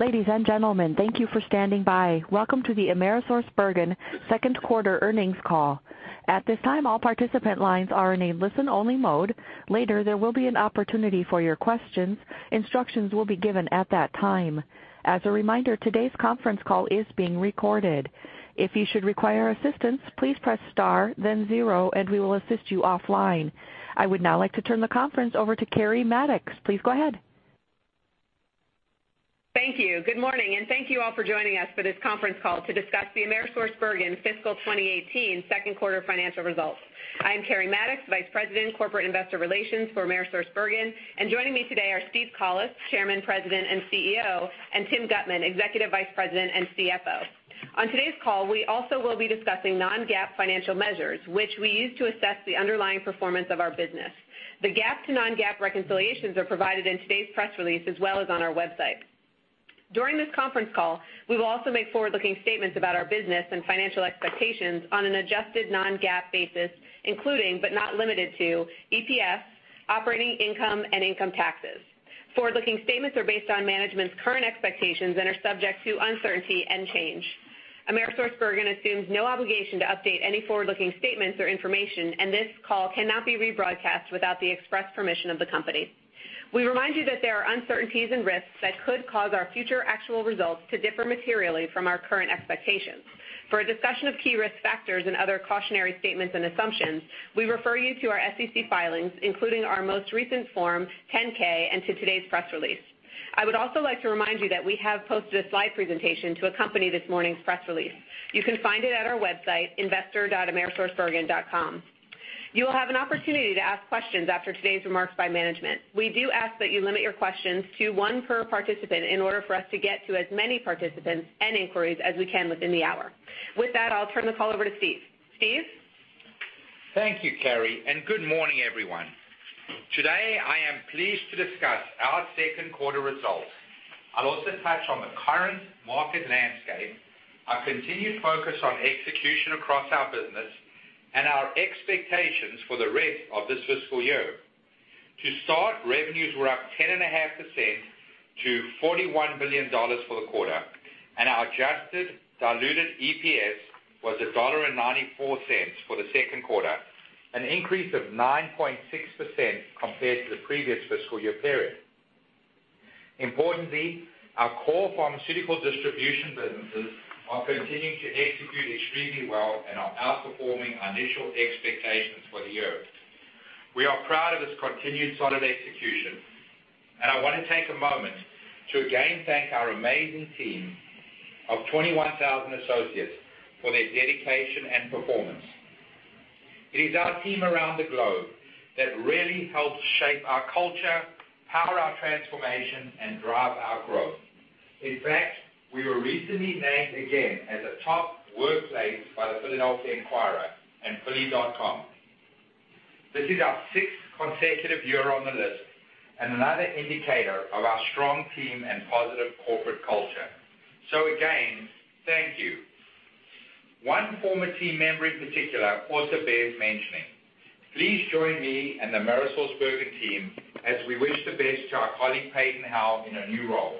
Ladies and gentlemen, thank you for standing by. Welcome to the AmerisourceBergen second quarter earnings call. At this time, all participant lines are in a listen-only mode. Later, there will be an opportunity for your questions. Instructions will be given at that time. As a reminder, today's conference call is being recorded. If you should require assistance, please press star, then zero, and we will assist you offline. I would now like to turn the conference over to Keri Mattox. Please go ahead. Thank you. Good morning. Thank you all for joining us for this conference call to discuss the AmerisourceBergen fiscal 2018 second quarter financial results. I'm Keri Mattox, Vice President, Corporate Investor Relations for AmerisourceBergen, and joining me today are Steven Collis, Chairman, President, and CEO, and Tim Guttman, Executive Vice President and CFO. On today's call, we also will be discussing non-GAAP financial measures, which we use to assess the underlying performance of our business. The GAAP to non-GAAP reconciliations are provided in today's press release, as well as on our website. During this conference call, we will also make forward-looking statements about our business and financial expectations on an adjusted non-GAAP basis, including, but not limited to EPS, operating income, and income taxes. Forward-looking statements are based on management's current expectations and are subject to uncertainty and change. AmerisourceBergen assumes no obligation to update any forward-looking statements or information. This call cannot be rebroadcast without the express permission of the company. We remind you that there are uncertainties and risks that could cause our future actual results to differ materially from our current expectations. For a discussion of key risk factors and other cautionary statements and assumptions, we refer you to our SEC filings, including our most recent Form 10-K, and to today's press release. I would also like to remind you that we have posted a slide presentation to accompany this morning's press release. You can find it at our website, investor.amerisourcebergen.com. You will have an opportunity to ask questions after today's remarks by management. We do ask that you limit your questions to one per participant in order for us to get to as many participants and inquiries as we can within the hour. With that, I'll turn the call over to Steven. Steven? Thank you, Keri, and good morning, everyone. Today, I am pleased to discuss our second quarter results. I'll also touch on the current market landscape, our continued focus on execution across our business, and our expectations for the rest of this fiscal year. Revenues were up 10.5% to $41 billion for the quarter, and our adjusted diluted EPS was $1.94 for the second quarter, an increase of 9.6% compared to the previous fiscal year period. Importantly, our core pharmaceutical distribution businesses are continuing to execute extremely well and are outperforming our initial expectations for the year. We are proud of this continued solid execution, and I want to take a moment to again thank our amazing team of 21,000 associates for their dedication and performance. It is our team around the globe that really helps shape our culture, power our transformation, and drive our growth. In fact, we were recently named again as a top workplace by The Philadelphia Inquirer and philly.com. This is our sixth consecutive year on the list and another indicator of our strong team and positive corporate culture. Again, thank you. One former team member in particular also bears mentioning. Please join me and the AmerisourceBergen team as we wish the best to our colleague, Peyton Howell, in her new role.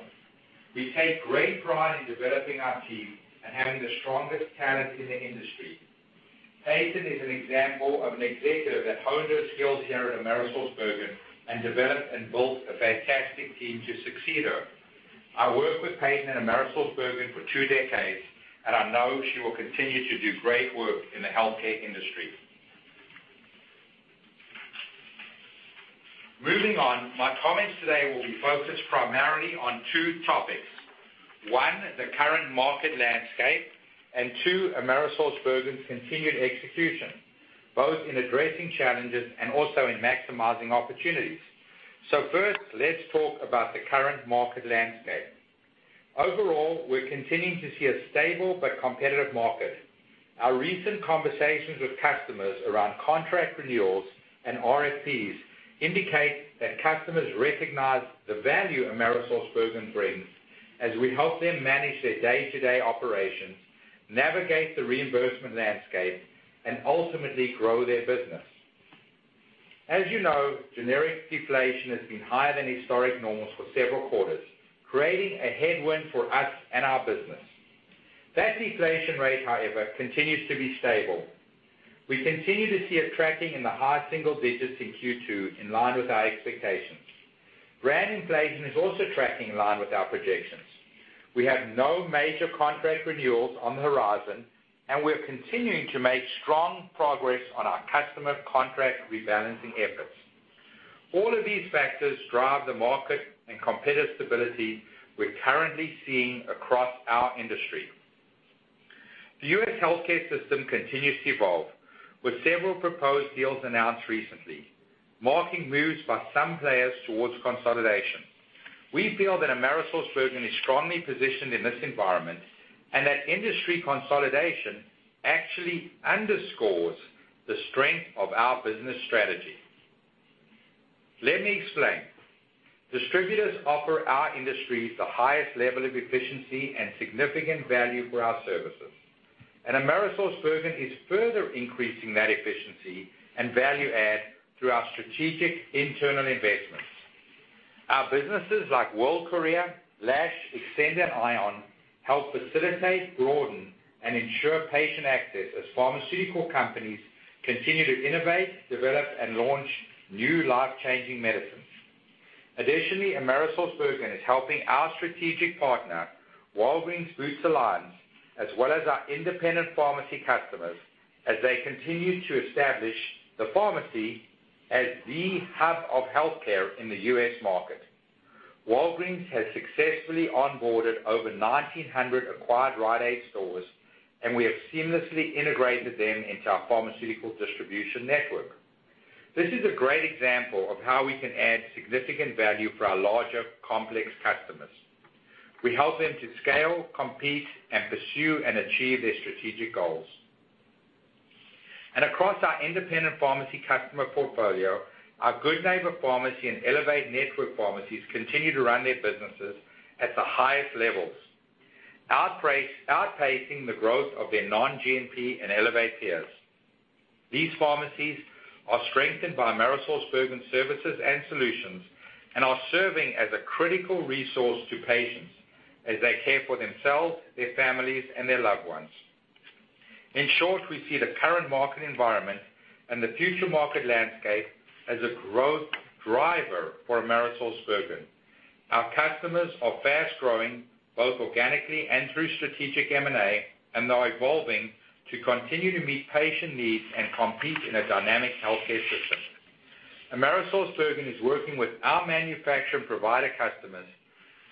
We take great pride in developing our team and having the strongest talent in the industry. Peyton is an example of an executive that honed her skills here at AmerisourceBergen and developed and built a fantastic team to succeed her. I worked with Peyton at AmerisourceBergen for two decades, and I know she will continue to do great work in the healthcare industry. Moving on, my comments today will be focused primarily on two topics. One, the current market landscape, and two, AmerisourceBergen's continued execution, both in addressing challenges and also in maximizing opportunities. First, let's talk about the current market landscape. Overall, we're continuing to see a stable but competitive market. Our recent conversations with customers around contract renewals and RFPs indicate that customers recognize the value AmerisourceBergen brings as we help them manage their day-to-day operations, navigate the reimbursement landscape, and ultimately grow their business. As you know, generic deflation has been higher than historic norms for several quarters, creating a headwind for us and our business. That deflation rate, however, continues to be stable. We continue to see it tracking in the high single digits in Q2, in line with our expectations. Brand inflation is also tracking in line with our projections. We have no major contract renewals on the horizon, and we're continuing to make strong progress on our customer contract rebalancing efforts. All of these factors drive the market and competitive stability we're currently seeing across our industry. The U.S. healthcare system continues to evolve, with several proposed deals announced recently, marking moves by some players towards consolidation. We feel that AmerisourceBergen is strongly positioned in this environment and that industry consolidation actually underscores the strength of our business strategy. Let me explain. Distributors offer our industry the highest level of efficiency and significant value for our services. AmerisourceBergen is further increasing that efficiency and value add through our strategic internal investments. Our businesses like World Courier, Lash, Xcenda, and ION help facilitate, broaden and ensure patient access as pharmaceutical companies continue to innovate, develop and launch new life-changing medicines. Additionally, AmerisourceBergen is helping our strategic partner, Walgreens Boots Alliance, as well as our independent pharmacy customers, as they continue to establish the pharmacy as the hub of healthcare in the U.S. market. Walgreens has successfully onboarded over 1,900 acquired Rite Aid stores, and we have seamlessly integrated them into our pharmaceutical distribution network. This is a great example of how we can add significant value for our larger, complex customers. We help them to scale, compete, and pursue and achieve their strategic goals. Across our independent pharmacy customer portfolio, our Good Neighbor Pharmacy and Elevate Provider Network pharmacies continue to run their businesses at the highest levels, outpacing the growth of their non-GNP and Elevate Network peers. These pharmacies are strengthened by AmerisourceBergen services and solutions and are serving as a critical resource to patients as they care for themselves, their families and their loved ones. In short, we see the current market environment and the future market landscape as a growth driver for AmerisourceBergen. Our customers are fast-growing, both organically and through strategic M&A, and are evolving to continue to meet patient needs and compete in a dynamic healthcare system. AmerisourceBergen is working with our manufacturer and provider customers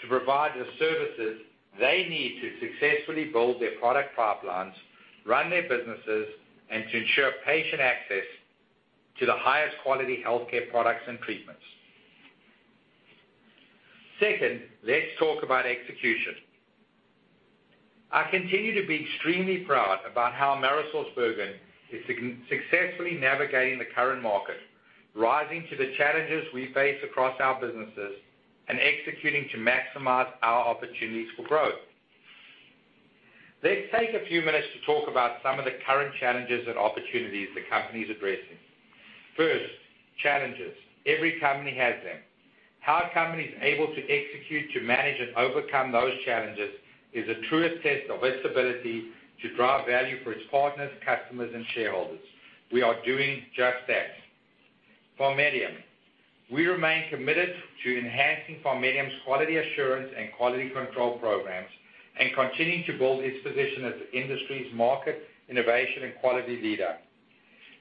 to provide the services they need to successfully build their product pipelines, run their businesses, and to ensure patient access to the highest quality healthcare products and treatments. Second, let's talk about execution. I continue to be extremely proud about how AmerisourceBergen is successfully navigating the current market, rising to the challenges we face across our businesses, and executing to maximize our opportunities for growth. Let's take a few minutes to talk about some of the current challenges and opportunities the company is addressing. First, challenges. Every company has them. How a company is able to execute to manage and overcome those challenges is the truest test of its ability to drive value for its partners, customers, and shareholders. We are doing just that. PharMEDium. We remain committed to enhancing PharMEDium's quality assurance and quality control programs and continuing to build its position as the industry's market, innovation, and quality leader.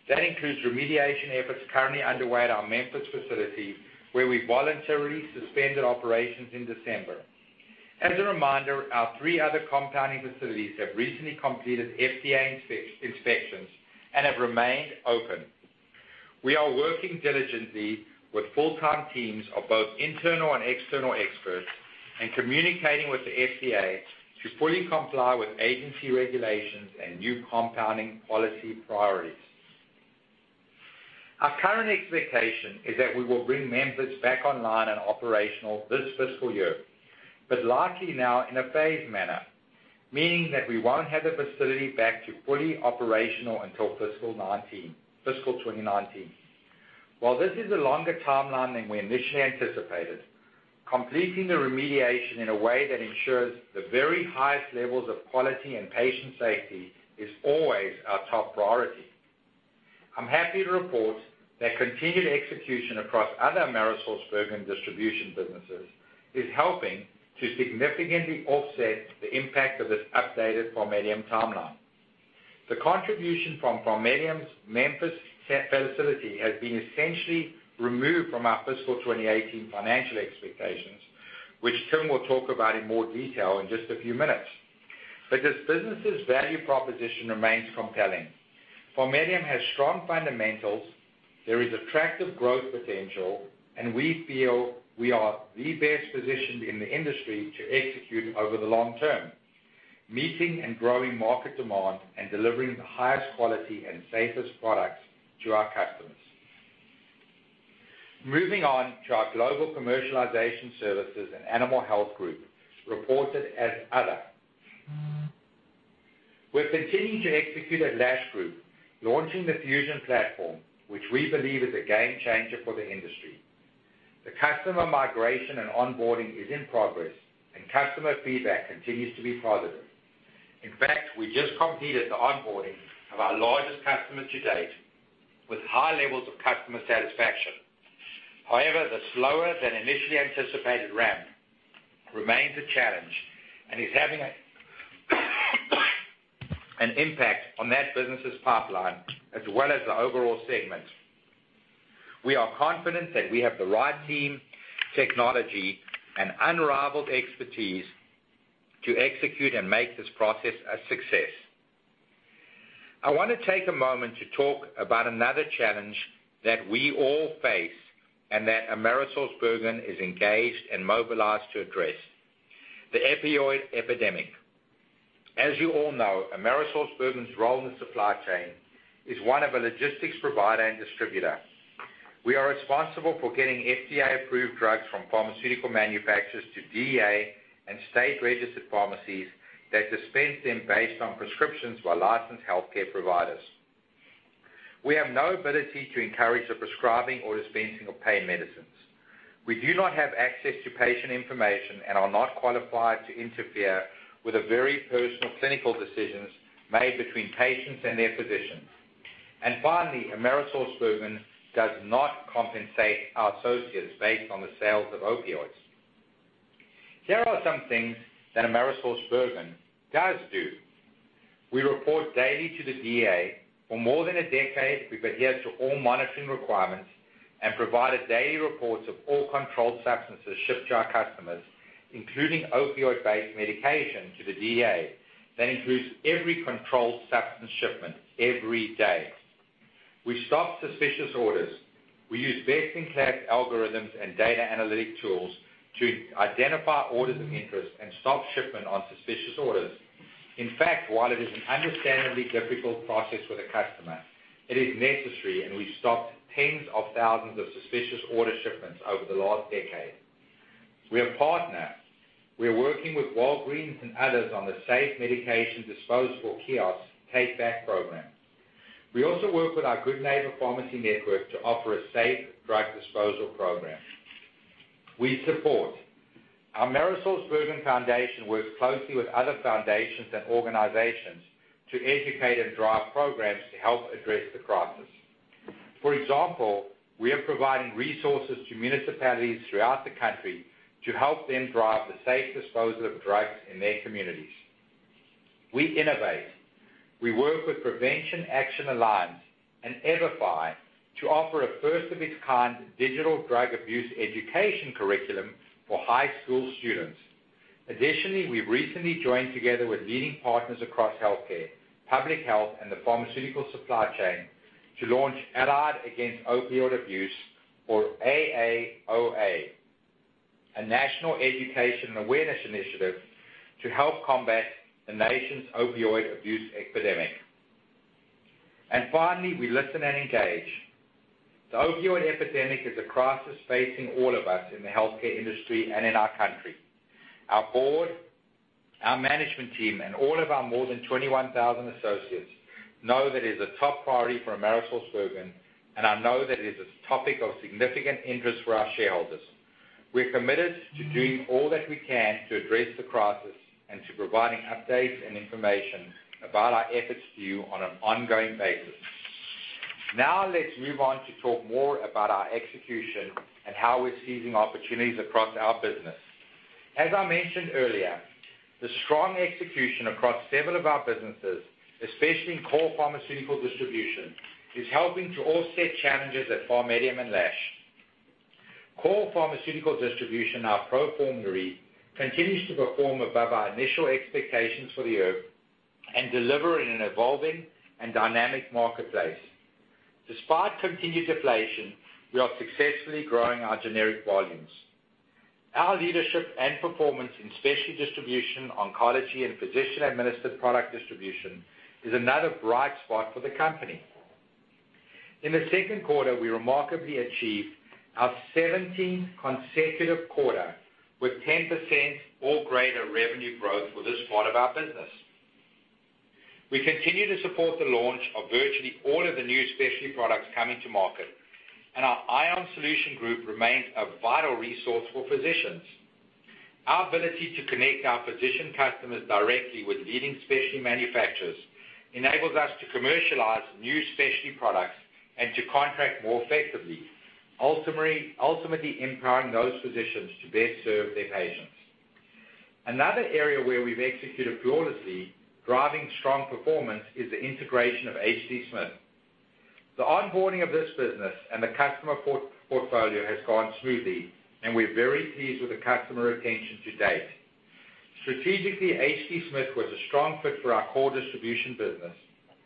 That includes remediation efforts currently underway at our Memphis facility, where we voluntarily suspended operations in December. As a reminder, our three other compounding facilities have recently completed FDA inspections and have remained open. We are working diligently with full-time teams of both internal and external experts and communicating with the FDA to fully comply with agency regulations and new compounding policy priorities. Our current expectation is that we will bring Memphis back online and operational this fiscal year, but likely now in a phased manner, meaning that we won't have the facility back to fully operational until fiscal 2019. While this is a longer timeline than we initially anticipated, completing the remediation in a way that ensures the very highest levels of quality and patient safety is always our top priority. I'm happy to report that continued execution across other AmerisourceBergen distribution businesses is helping to significantly offset the impact of this updated PharMEDium timeline. The contribution from PharMEDium's Memphis facility has been essentially removed from our fiscal 2018 financial expectations, which Tim will talk about in more detail in just a few minutes. But this business' value proposition remains compelling. PharMEDium has strong fundamentals, there is attractive growth potential, and we feel we are the best positioned in the industry to execute over the long term, meeting and growing market demand and delivering the highest quality and safest products to our customers. Moving on to our global commercialization services and Animal Health group, reported as Other. We're continuing to execute at Lash Group, launching the Fusion platform, which we believe is a game changer for the industry. The customer migration and onboarding is in progress and customer feedback continues to be positive. In fact, we just completed the onboarding of our largest customer to date with high levels of customer satisfaction. However, the slower than initially anticipated ramp remains a challenge and is having an impact on that business' pipeline as well as the overall segment. We are confident that we have the right team, technology, and unrivaled expertise to execute and make this process a success. I want to take a moment to talk about another challenge that we all face and that AmerisourceBergen is engaged and mobilized to address, the opioid epidemic. As you all know, AmerisourceBergen's role in the supply chain is one of a logistics provider and distributor. We are responsible for getting FDA-approved drugs from pharmaceutical manufacturers to DEA and state-registered pharmacies that dispense them based on prescriptions by licensed healthcare providers. We have no ability to encourage the prescribing or dispensing of pain medicines. We do not have access to patient information and are not qualified to interfere with the very personal clinical decisions made between patients and their physicians. Finally, AmerisourceBergen does not compensate our associates based on the sales of opioids. Here are some things that AmerisourceBergen does do. We report daily to the DEA. For more than a decade, we've adhered to all monitoring requirements and provided daily reports of all controlled substances shipped to our customers, including opioid-based medication to the DEA. That includes every controlled substance shipment every day. We stop suspicious orders. We use best-in-class algorithms and data analytic tools to identify orders of interest and stop shipment on suspicious orders. In fact, while it is an understandably difficult process for the customer, it is necessary, and we stopped tens of thousands of suspicious order shipments over the last decade. We are partnered. We are working with Walgreens and others on the safe medication disposal kiosk take back program. We also work with our Good Neighbor Pharmacy network to offer a safe drug disposal program. We support. Our AmerisourceBergen Foundation works closely with other foundations and organizations to educate and drive programs to help address the crisis. For example, we are providing resources to municipalities throughout the country to help them drive the safe disposal of drugs in their communities. We innovate. We work with Prevention Action Alliance and EverFi to offer a first-of-its-kind digital drug abuse education curriculum for high school students. Additionally, we've recently joined together with leading partners across healthcare, public health, and the pharmaceutical supply chain to launch Allied Against Opioid Abuse, or AAOA, a national education and awareness initiative to help combat the nation's opioid abuse epidemic. Finally, we listen and engage. The opioid epidemic is a crisis facing all of us in the healthcare industry and in our country. Our board, our management team, and all of our more than 21,000 associates know that it is a top priority for AmerisourceBergen, and I know that it is a topic of significant interest for our shareholders. We are committed to doing all that we can to address the crisis and to providing updates and information about our efforts to you on an ongoing basis. Let's move on to talk more about our execution and how we're seizing opportunities across our business. As I mentioned earlier, the strong execution across several of our businesses, especially in core pharmaceutical distribution, is helping to offset challenges at PharMEDium and Lash. Core pharmaceutical distribution, our pro forma unit, continues to perform above our initial expectations for the year and deliver in an evolving and dynamic marketplace. Despite continued deflation, we are successfully growing our generic volumes. Our leadership and performance in specialty distribution, oncology, and physician-administered product distribution is another bright spot for the company. In the second quarter, we remarkably achieved our 17th consecutive quarter with 10% or greater revenue growth for this part of our business. We continue to support the launch of virtually all of the new specialty products coming to market, and our ION Solutions Group remains a vital resource for physicians. Our ability to connect our physician customers directly with leading specialty manufacturers enables us to commercialize new specialty products and to contract more effectively, ultimately empowering those physicians to best serve their patients. Another area where we've executed flawlessly, driving strong performance, is the integration of H.D. Smith. The onboarding of this business and the customer portfolio has gone smoothly, and we're very pleased with the customer retention to date. Strategically, H.D. Smith was a strong fit for our core distribution business,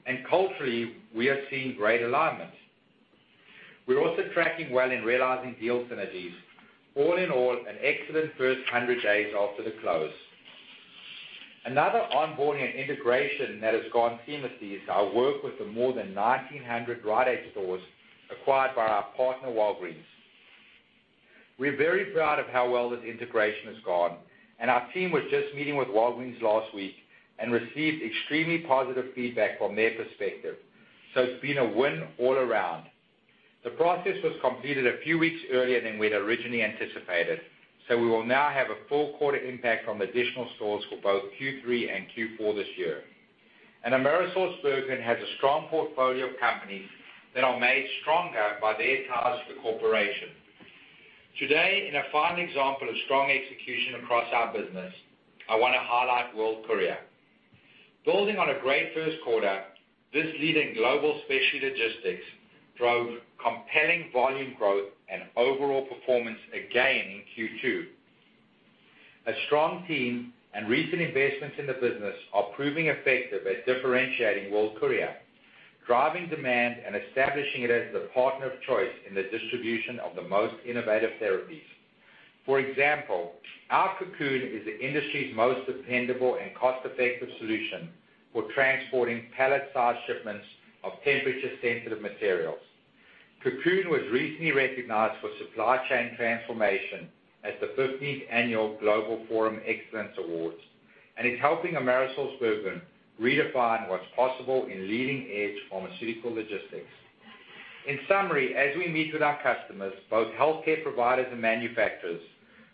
and culturally, we are seeing great alignment. We're also tracking well in realizing deal synergies. All in all, an excellent first 100 days after the close. Another onboarding and integration that has gone seamlessly is our work with the more than 1,900 Rite Aid stores acquired by our partner, Walgreens. We're very proud of how well this integration has gone, and our team was just meeting with Walgreens last week and received extremely positive feedback from their perspective. It's been a win all around. The process was completed a few weeks earlier than we had originally anticipated, so we will now have a full quarter impact from additional stores for both Q3 and Q4 this year. AmerisourceBergen has a strong portfolio of companies that are made stronger by their ties to the corporation. Today, in a fine example of strong execution across our business, I want to highlight World Courier. Building on a great first quarter, this leading global specialty logistics drove compelling volume growth and overall performance again in Q2. A strong team and recent investments in the business are proving effective at differentiating World Courier, driving demand, and establishing it as the partner of choice in the distribution of the most innovative therapies. For example, our Cocoon is the industry's most dependable and cost-effective solution for transporting pallet-sized shipments of temperature-sensitive materials. Cocoon was recently recognized for supply chain transformation at the 15th Annual Global Forum Excellence Awards, and is helping AmerisourceBergen redefine what's possible in leading-edge pharmaceutical logistics. In summary, as we meet with our customers, both healthcare providers and manufacturers,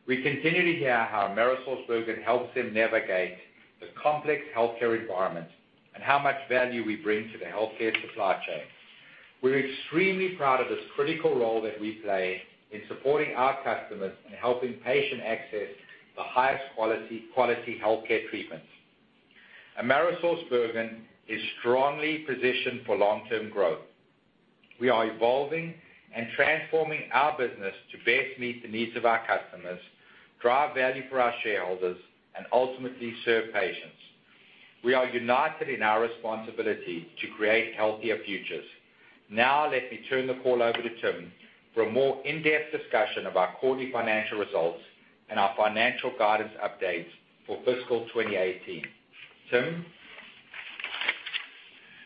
we continue to hear how AmerisourceBergen helps them navigate the complex healthcare environment, and how much value we bring to the healthcare supply chain. We are extremely proud of this critical role that we play in supporting our customers in helping patients access the highest quality healthcare treatments. AmerisourceBergen is strongly positioned for long-term growth. We are evolving and transforming our business to best meet the needs of our customers, drive value for our shareholders, and ultimately serve patients. We are united in our responsibility to create healthier futures. Now let me turn the call over to Tim for a more in-depth discussion of our quarterly financial results and our financial guidance updates for fiscal 2018. Tim?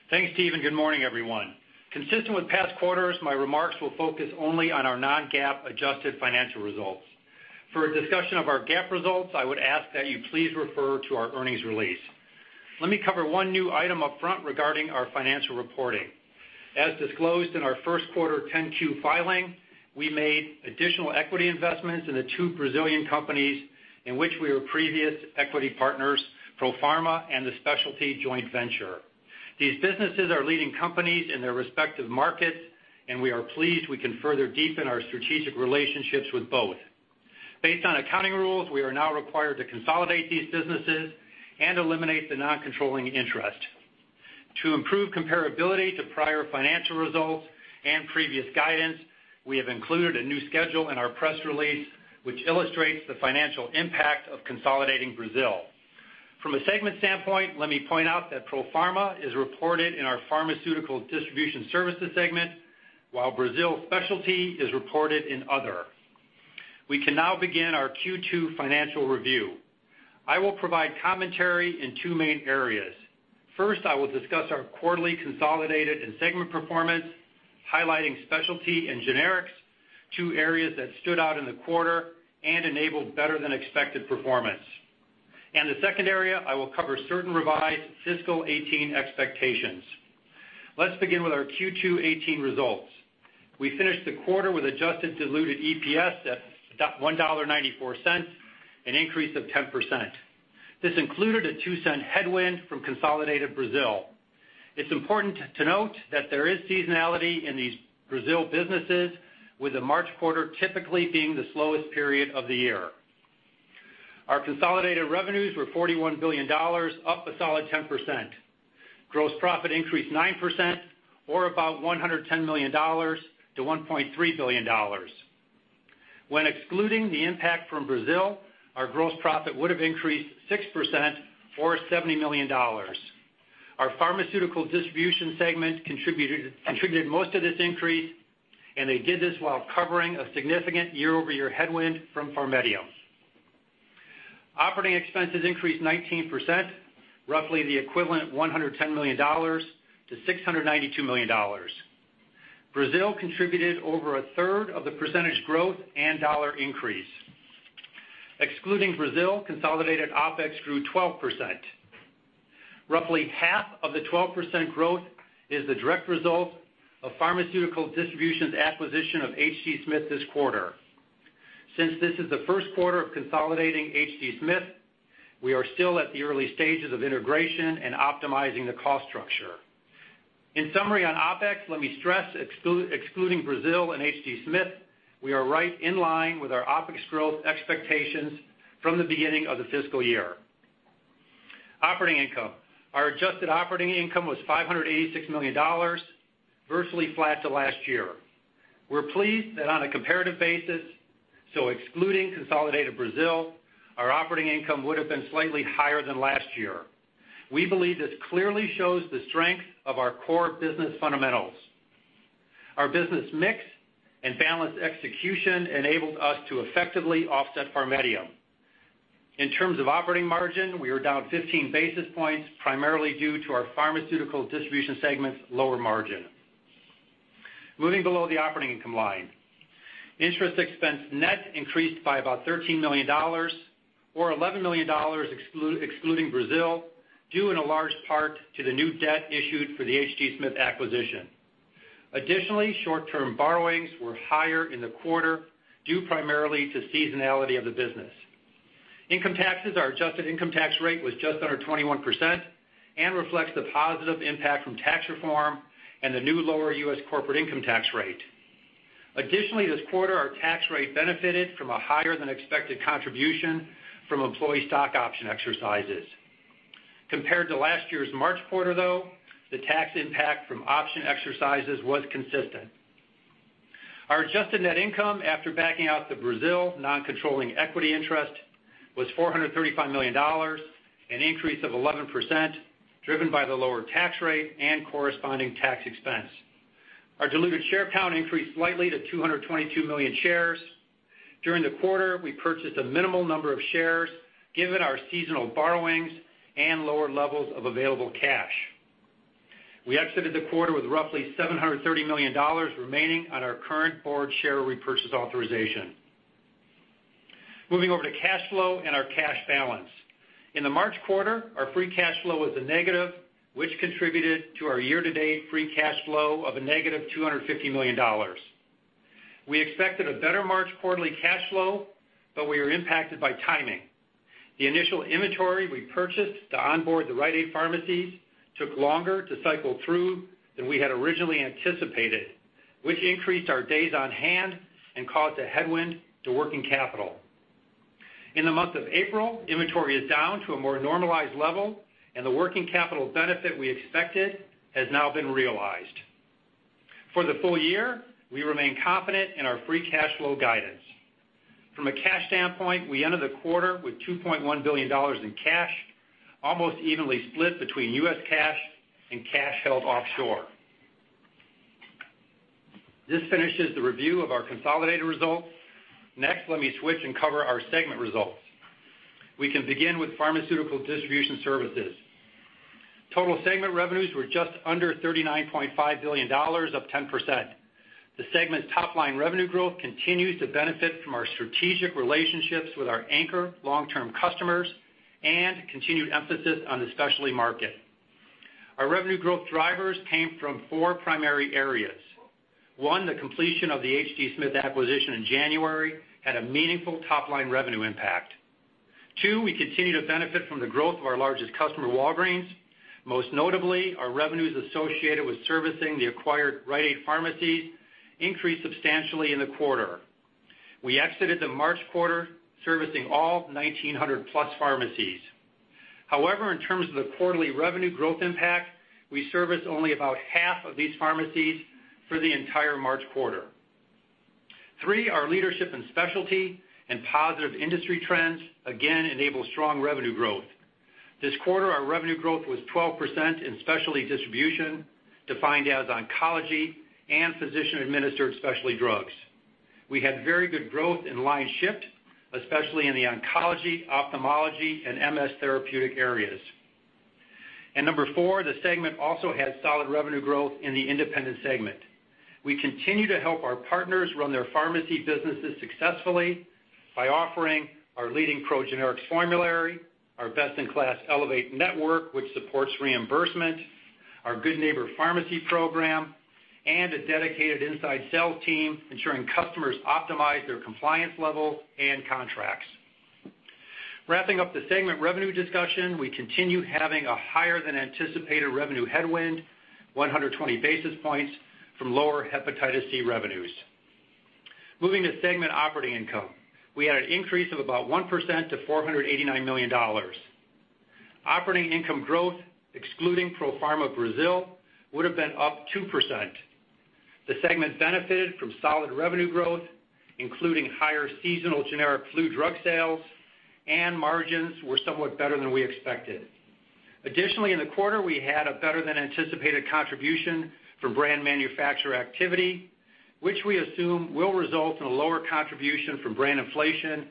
Thanks, Steve, and good morning, everyone. Consistent with past quarters, my remarks will focus only on our non-GAAP adjusted financial results. For a discussion of our GAAP results, I would ask that you please refer to our earnings release. Let me cover one new item up front regarding our financial reporting. As disclosed in our first quarter 10-Q filing, we made additional equity investments in the two Brazilian companies in which we were previous equity partners, Profarma and the Specialty Joint Venture. These businesses are leading companies in their respective markets, and we are pleased we can further deepen our strategic relationships with both. Based on accounting rules, we are now required to consolidate these businesses and eliminate the non-controlling interest. To improve comparability to prior financial results and previous guidance, we have included a new schedule in our press release, which illustrates the financial impact of consolidating Brazil. From a segment standpoint, let me point out that Profarma is reported in our Pharmaceutical Distribution Services segment, while Brazil Specialty is reported in other. We can now begin our Q2 financial review. I will provide commentary in two main areas. First, I will discuss our quarterly consolidated and segment performance, highlighting specialty and generics, two areas that stood out in the quarter and enabled better than expected performance. The second area, I will cover certain revised fiscal 2018 expectations. Let's begin with our Q2 2018 results. We finished the quarter with adjusted diluted EPS at $1.94, an increase of 10%. This included a $0.02 headwind from consolidated Brazil. It is important to note that there is seasonality in these Brazil businesses, with the March quarter typically being the slowest period of the year. Our consolidated revenues were $41 billion, up a solid 10%. Gross profit increased 9%, or about $110 million to $1.3 billion. When excluding the impact from Brazil, our gross profit would have increased 6%, or $70 million. Our Pharmaceutical Distribution segment contributed most of this increase, and they did this while covering a significant year-over-year headwind from PharMEDium. Operating expenses increased 19%, roughly the equivalent of $110 million to $692 million. Brazil contributed over a third of the percentage growth and dollar increase. Excluding Brazil, consolidated OpEx grew 12%. Roughly half of the 12% growth is the direct result of Pharmaceutical Distribution's acquisition of H.D. Smith this quarter. Since this is the first quarter of consolidating H.D. Smith, we are still at the early stages of integration and optimizing the cost structure. In summary on OpEx, let me stress, excluding Brazil and H.D. Smith. We are right in line with our OpEx growth expectations from the beginning of the fiscal year. Operating income. Our adjusted operating income was $586 million, virtually flat to last year. We're pleased that on a comparative basis, so excluding consolidated Brazil, our operating income would have been slightly higher than last year. We believe this clearly shows the strength of our core business fundamentals. Our business mix and balanced execution enabled us to effectively offset PharMEDium. In terms of operating margin, we are down 15 basis points, primarily due to our pharmaceutical distribution segment's lower margin. Moving below the operating income line. Interest expense net increased by about $13 million, or $11 million excluding Brazil, due in a large part to the new debt issued for the H.D. Smith acquisition. Additionally, short-term borrowings were higher in the quarter due primarily to seasonality of the business. Income taxes. Our adjusted income tax rate was just under 21% and reflects the positive impact from tax reform and the new lower U.S. corporate income tax rate. Additionally, this quarter, our tax rate benefited from a higher than expected contribution from employee stock option exercises. Compared to last year's March quarter, though, the tax impact from option exercises was consistent. Our adjusted net income after backing out the Brazil non-controlling equity interest was $435 million, an increase of 11%, driven by the lower tax rate and corresponding tax expense. Our diluted share count increased slightly to 222 million shares. During the quarter, we purchased a minimal number of shares given our seasonal borrowings and lower levels of available cash. We exited the quarter with roughly $730 million remaining on our current board share repurchase authorization. Moving over to cash flow and our cash balance. In the March quarter, our free cash flow was a negative, which contributed to our year-to-date free cash flow of a negative $250 million. We expected a better March quarterly cash flow, but we were impacted by timing. The initial inventory we purchased to onboard the Rite Aid pharmacies took longer to cycle through than we had originally anticipated, which increased our days on hand and caused a headwind to working capital. In the month of April, inventory is down to a more normalized level, and the working capital benefit we expected has now been realized. For the full year, we remain confident in our free cash flow guidance. From a cash standpoint, we ended the quarter with $2.1 billion in cash, almost evenly split between U.S. cash and cash held offshore. This finishes the review of our consolidated results. Next, let me switch and cover our segment results. We can begin with Pharmaceutical Distribution Services. Total segment revenues were just under $39.5 billion, up 10%. The segment's top-line revenue growth continues to benefit from our strategic relationships with our anchor long-term customers and continued emphasis on the specialty market. Our revenue growth drivers came from four primary areas. One, the completion of the H.D. Smith acquisition in January had a meaningful top-line revenue impact. Two, we continue to benefit from the growth of our largest customer, Walgreens. Most notably, our revenues associated with servicing the acquired Rite Aid pharmacies increased substantially in the quarter. We exited the March quarter servicing all 1,900-plus pharmacies. However, in terms of the quarterly revenue growth impact, we serviced only about half of these pharmacies for the entire March quarter. Three, our leadership in specialty and positive industry trends again enable strong revenue growth. This quarter, our revenue growth was 12% in specialty distribution, defined as oncology and physician-administered specialty drugs. We had very good growth in line shift, especially in the oncology, ophthalmology, and MS therapeutic areas. Number four, the segment also had solid revenue growth in the independent segment. We continue to help our partners run their pharmacy businesses successfully by offering our leading PRxO Generics formulary, our best-in-class Elevate Network, which supports reimbursement, our Good Neighbor Pharmacy program, and a dedicated inside sales team, ensuring customers optimize their compliance level and contracts. Wrapping up the segment revenue discussion, we continue having a higher than anticipated revenue headwind, 120 basis points from lower hepatitis C revenues. Moving to segment operating income. We had an increase of about 1% to $489 million. Operating income growth, excluding Profarma Brazil, would have been up 2%. The segment benefited from solid revenue growth, including higher seasonal generic flu drug sales and margins were somewhat better than we expected. Additionally, in the quarter, we had a better than anticipated contribution from brand manufacturer activity, which we assume will result in a lower contribution from brand inflation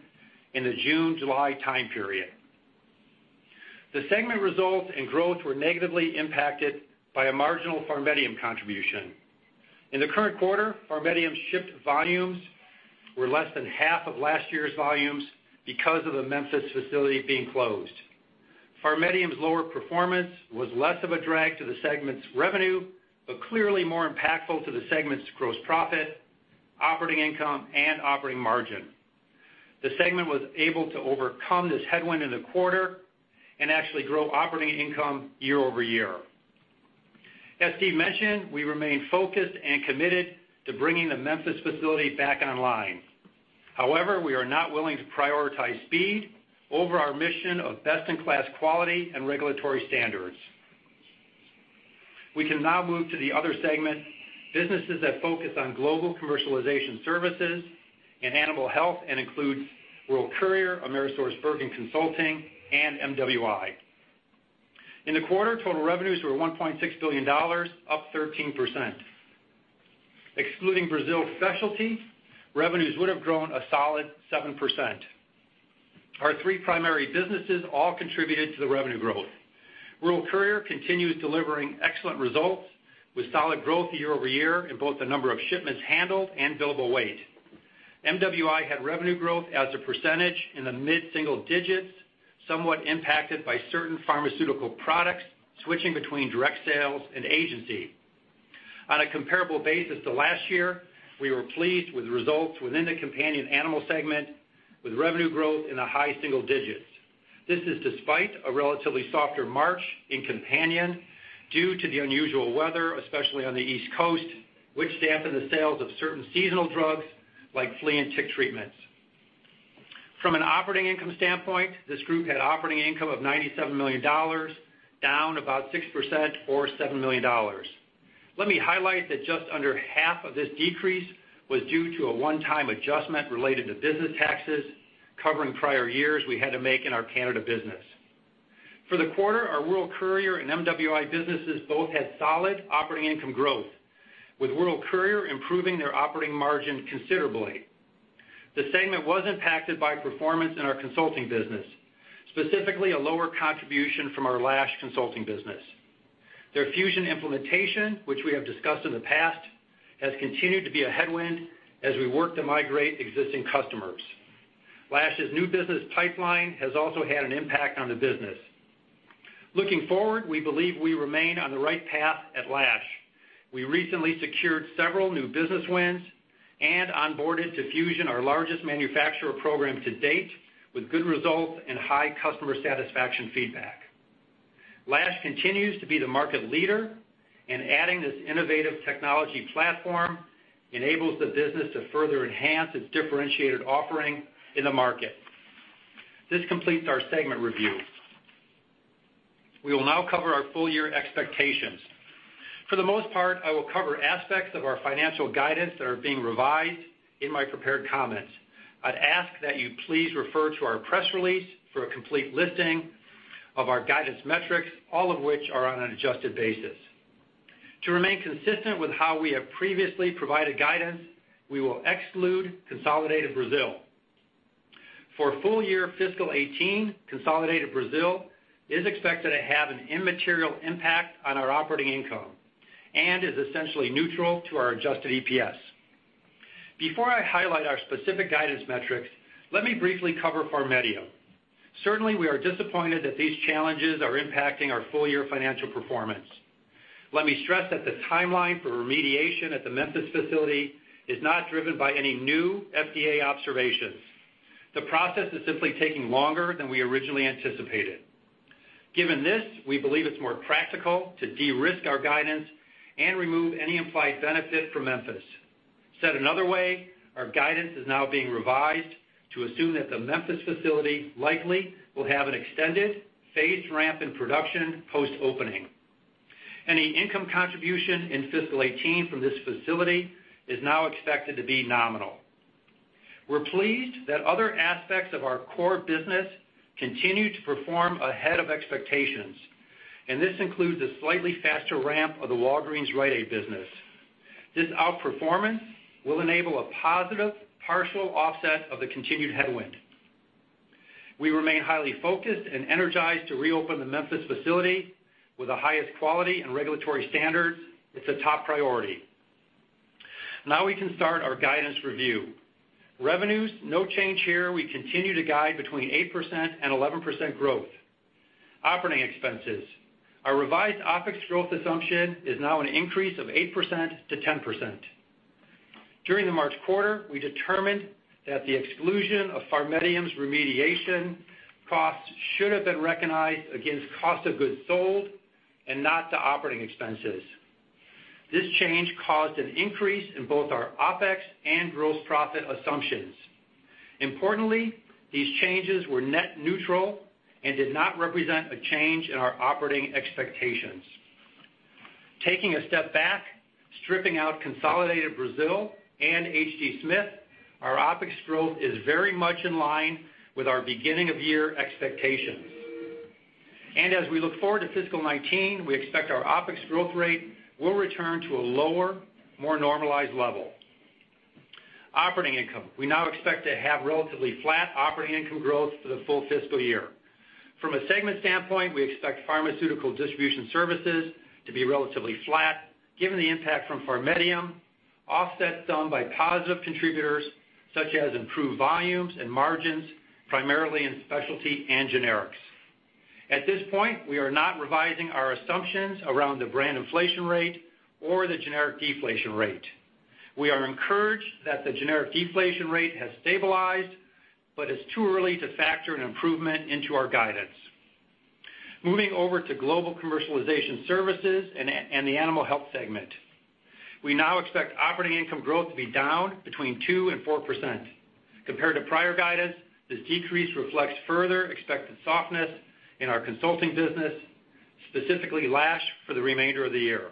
in the June, July time period. The segment results and growth were negatively impacted by a marginal PharMEDium contribution. In the current quarter, PharMEDium's shipped volumes were less than half of last year's volumes because of the Memphis facility being closed. PharMEDium's lower performance was less of a drag to the segment's revenue, but clearly more impactful to the segment's gross profit, operating income, and operating margin. The segment was able to overcome this headwind in the quarter and actually grow operating income year-over-year. As Steve mentioned, we remain focused and committed to bringing the Memphis facility back online. We are not willing to prioritize speed over our mission of best-in-class quality and regulatory standards. We can now move to the other segment, businesses that focus on global commercialization services and animal health and includes World Courier, AmerisourceBergen Consulting, and MWI. In the quarter, total revenues were $1.6 billion, up 13%. Excluding Brazil Specialty, revenues would have grown a solid 7%. Our three primary businesses all contributed to the revenue growth. World Courier continues delivering excellent results with solid growth year-over-year in both the number of shipments handled and billable weight. MWI had revenue growth as a percentage in the mid-single digits, somewhat impacted by certain pharmaceutical products switching between direct sales and agency. On a comparable basis to last year, we were pleased with results within the companion animal segment, with revenue growth in the high single digits. This is despite a relatively softer March in companion due to the unusual weather, especially on the East Coast, which dampened the sales of certain seasonal drugs like flea and tick treatments. From an operating income standpoint, this group had operating income of $97 million, down about 6% or $7 million. Let me highlight that just under half of this decrease was due to a one-time adjustment related to business taxes covering prior years we had to make in our Canada business. For the quarter, our World Courier and MWI businesses both had solid operating income growth, with World Courier improving their operating margin considerably. The segment was impacted by performance in our consulting business, specifically a lower contribution from our Lash consulting business. Their Fusion implementation, which we have discussed in the past, has continued to be a headwind as we work to migrate existing customers. Lash's new business pipeline has also had an impact on the business. Looking forward, we believe we remain on the right path at Lash. We recently secured several new business wins and onboarded to Fusion, our largest manufacturer program to date, with good results and high customer satisfaction feedback. Lash continues to be the market leader, adding this innovative technology platform enables the business to further enhance its differentiated offering in the market. This completes our segment review. We will now cover our full year expectations. For the most part, I will cover aspects of our financial guidance that are being revised in my prepared comments. I'd ask that you please refer to our press release for a complete listing of our guidance metrics, all of which are on an adjusted basis. To remain consistent with how we have previously provided guidance, we will exclude consolidated Brazil. For full year fiscal 2018, consolidated Brazil is expected to have an immaterial impact on our operating income and is essentially neutral to our adjusted EPS. Before I highlight our specific guidance metrics, let me briefly cover PharMEDium. Certainly, we are disappointed that these challenges are impacting our full-year financial performance. Let me stress that the timeline for remediation at the Memphis facility is not driven by any new FDA observations. The process is simply taking longer than we originally anticipated. Given this, we believe it's more practical to de-risk our guidance and remove any implied benefit from Memphis. Said another way, our guidance is now being revised to assume that the Memphis facility likely will have an extended phased ramp in production post-opening. Any income contribution in fiscal 2018 from this facility is now expected to be nominal. We're pleased that other aspects of our core business continue to perform ahead of expectations, and this includes a slightly faster ramp of the Walgreens Rite Aid business. This outperformance will enable a positive partial offset of the continued headwind. We remain highly focused and energized to reopen the Memphis facility with the highest quality and regulatory standards. It's a top priority. We can start our guidance review. Revenues, no change here. We continue to guide between 8% and 11% growth. Operating expenses. Our revised OpEx growth assumption is now an increase of 8% to 10%. During the March quarter, we determined that the exclusion of PharMEDium's remediation costs should have been recognized against cost of goods sold and not to operating expenses. This change caused an increase in both our OpEx and gross profit assumptions. Importantly, these changes were net neutral and did not represent a change in our operating expectations. Taking a step back, stripping out consolidated Brazil and H.D. Smith, our OpEx growth is very much in line with our beginning of year expectations. As we look forward to fiscal 2019, we expect our OpEx growth rate will return to a lower, more normalized level. Operating income. We now expect to have relatively flat operating income growth for the full fiscal year. From a segment standpoint, we expect pharmaceutical distribution services to be relatively flat given the impact from PharMEDium, offset some by positive contributors such as improved volumes and margins, primarily in specialty and generics. At this point, we are not revising our assumptions around the brand inflation rate or the generic deflation rate. We are encouraged that the generic deflation rate has stabilized, but it is too early to factor an improvement into our guidance. Moving over to global commercialization services and the animal health segment. We now expect operating income growth to be down between 2% and 4%. Compared to prior guidance, this decrease reflects further expected softness in our consulting business, specifically Lash, for the remainder of the year.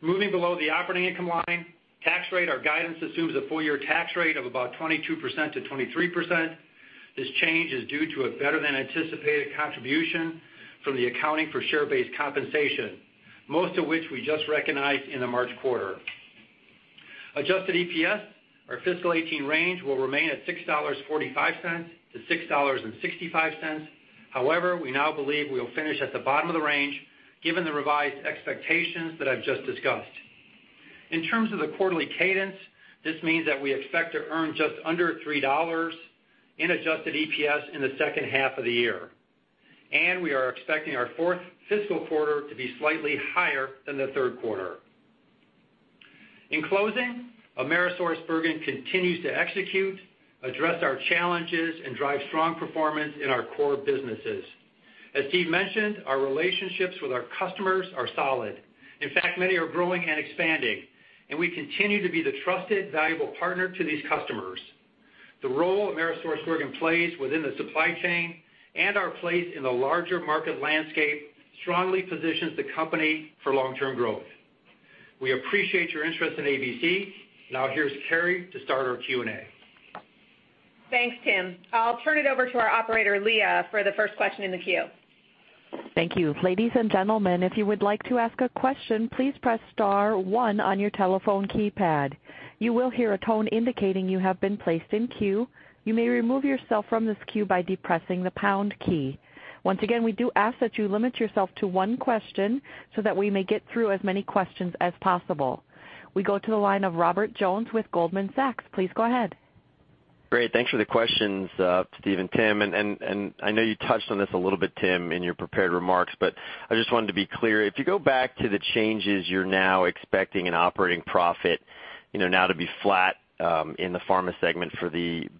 Moving below the operating income line. Tax rate. Our guidance assumes a full year tax rate of about 22% to 23%. This change is due to a better than anticipated contribution from the accounting for share-based compensation, most of which we just recognized in the March quarter. Adjusted EPS. Our fiscal 2018 range will remain at $6.45 to $6.65. However, we now believe we will finish at the bottom of the range given the revised expectations that I have just discussed. In terms of the quarterly cadence, this means that we expect to earn just under $3 in adjusted EPS in the second half of the year. We are expecting our fourth fiscal quarter to be slightly higher than the third quarter. In closing, AmerisourceBergen continues to execute, address our challenges, and drive strong performance in our core businesses. As Steve mentioned, our relationships with our customers are solid. In fact, many are growing and expanding, and we continue to be the trusted, valuable partner to these customers. The role AmerisourceBergen plays within the supply chain and our place in the larger market landscape strongly positions the company for long-term growth. We appreciate your interest in ABC. Now here is Keri to start our Q&A. Thanks, Tim. I will turn it over to our operator, Leah, for the first question in the queue. Thank you. Ladies and gentlemen, if you would like to ask a question, please press star one on your telephone keypad. You will hear a tone indicating you have been placed in queue. You may remove yourself from this queue by depressing the pound key. Once again, we do ask that you limit yourself to one question so that we may get through as many questions as possible. We go to the line of Robert Jones with Goldman Sachs. Please go ahead. Great. Thanks for the questions to Steven and Tim. I know you touched on this a little bit, Tim, in your prepared remarks, but I just wanted to be clear. If you go back to the changes you're now expecting in operating profit now to be flat in the pharma segment for the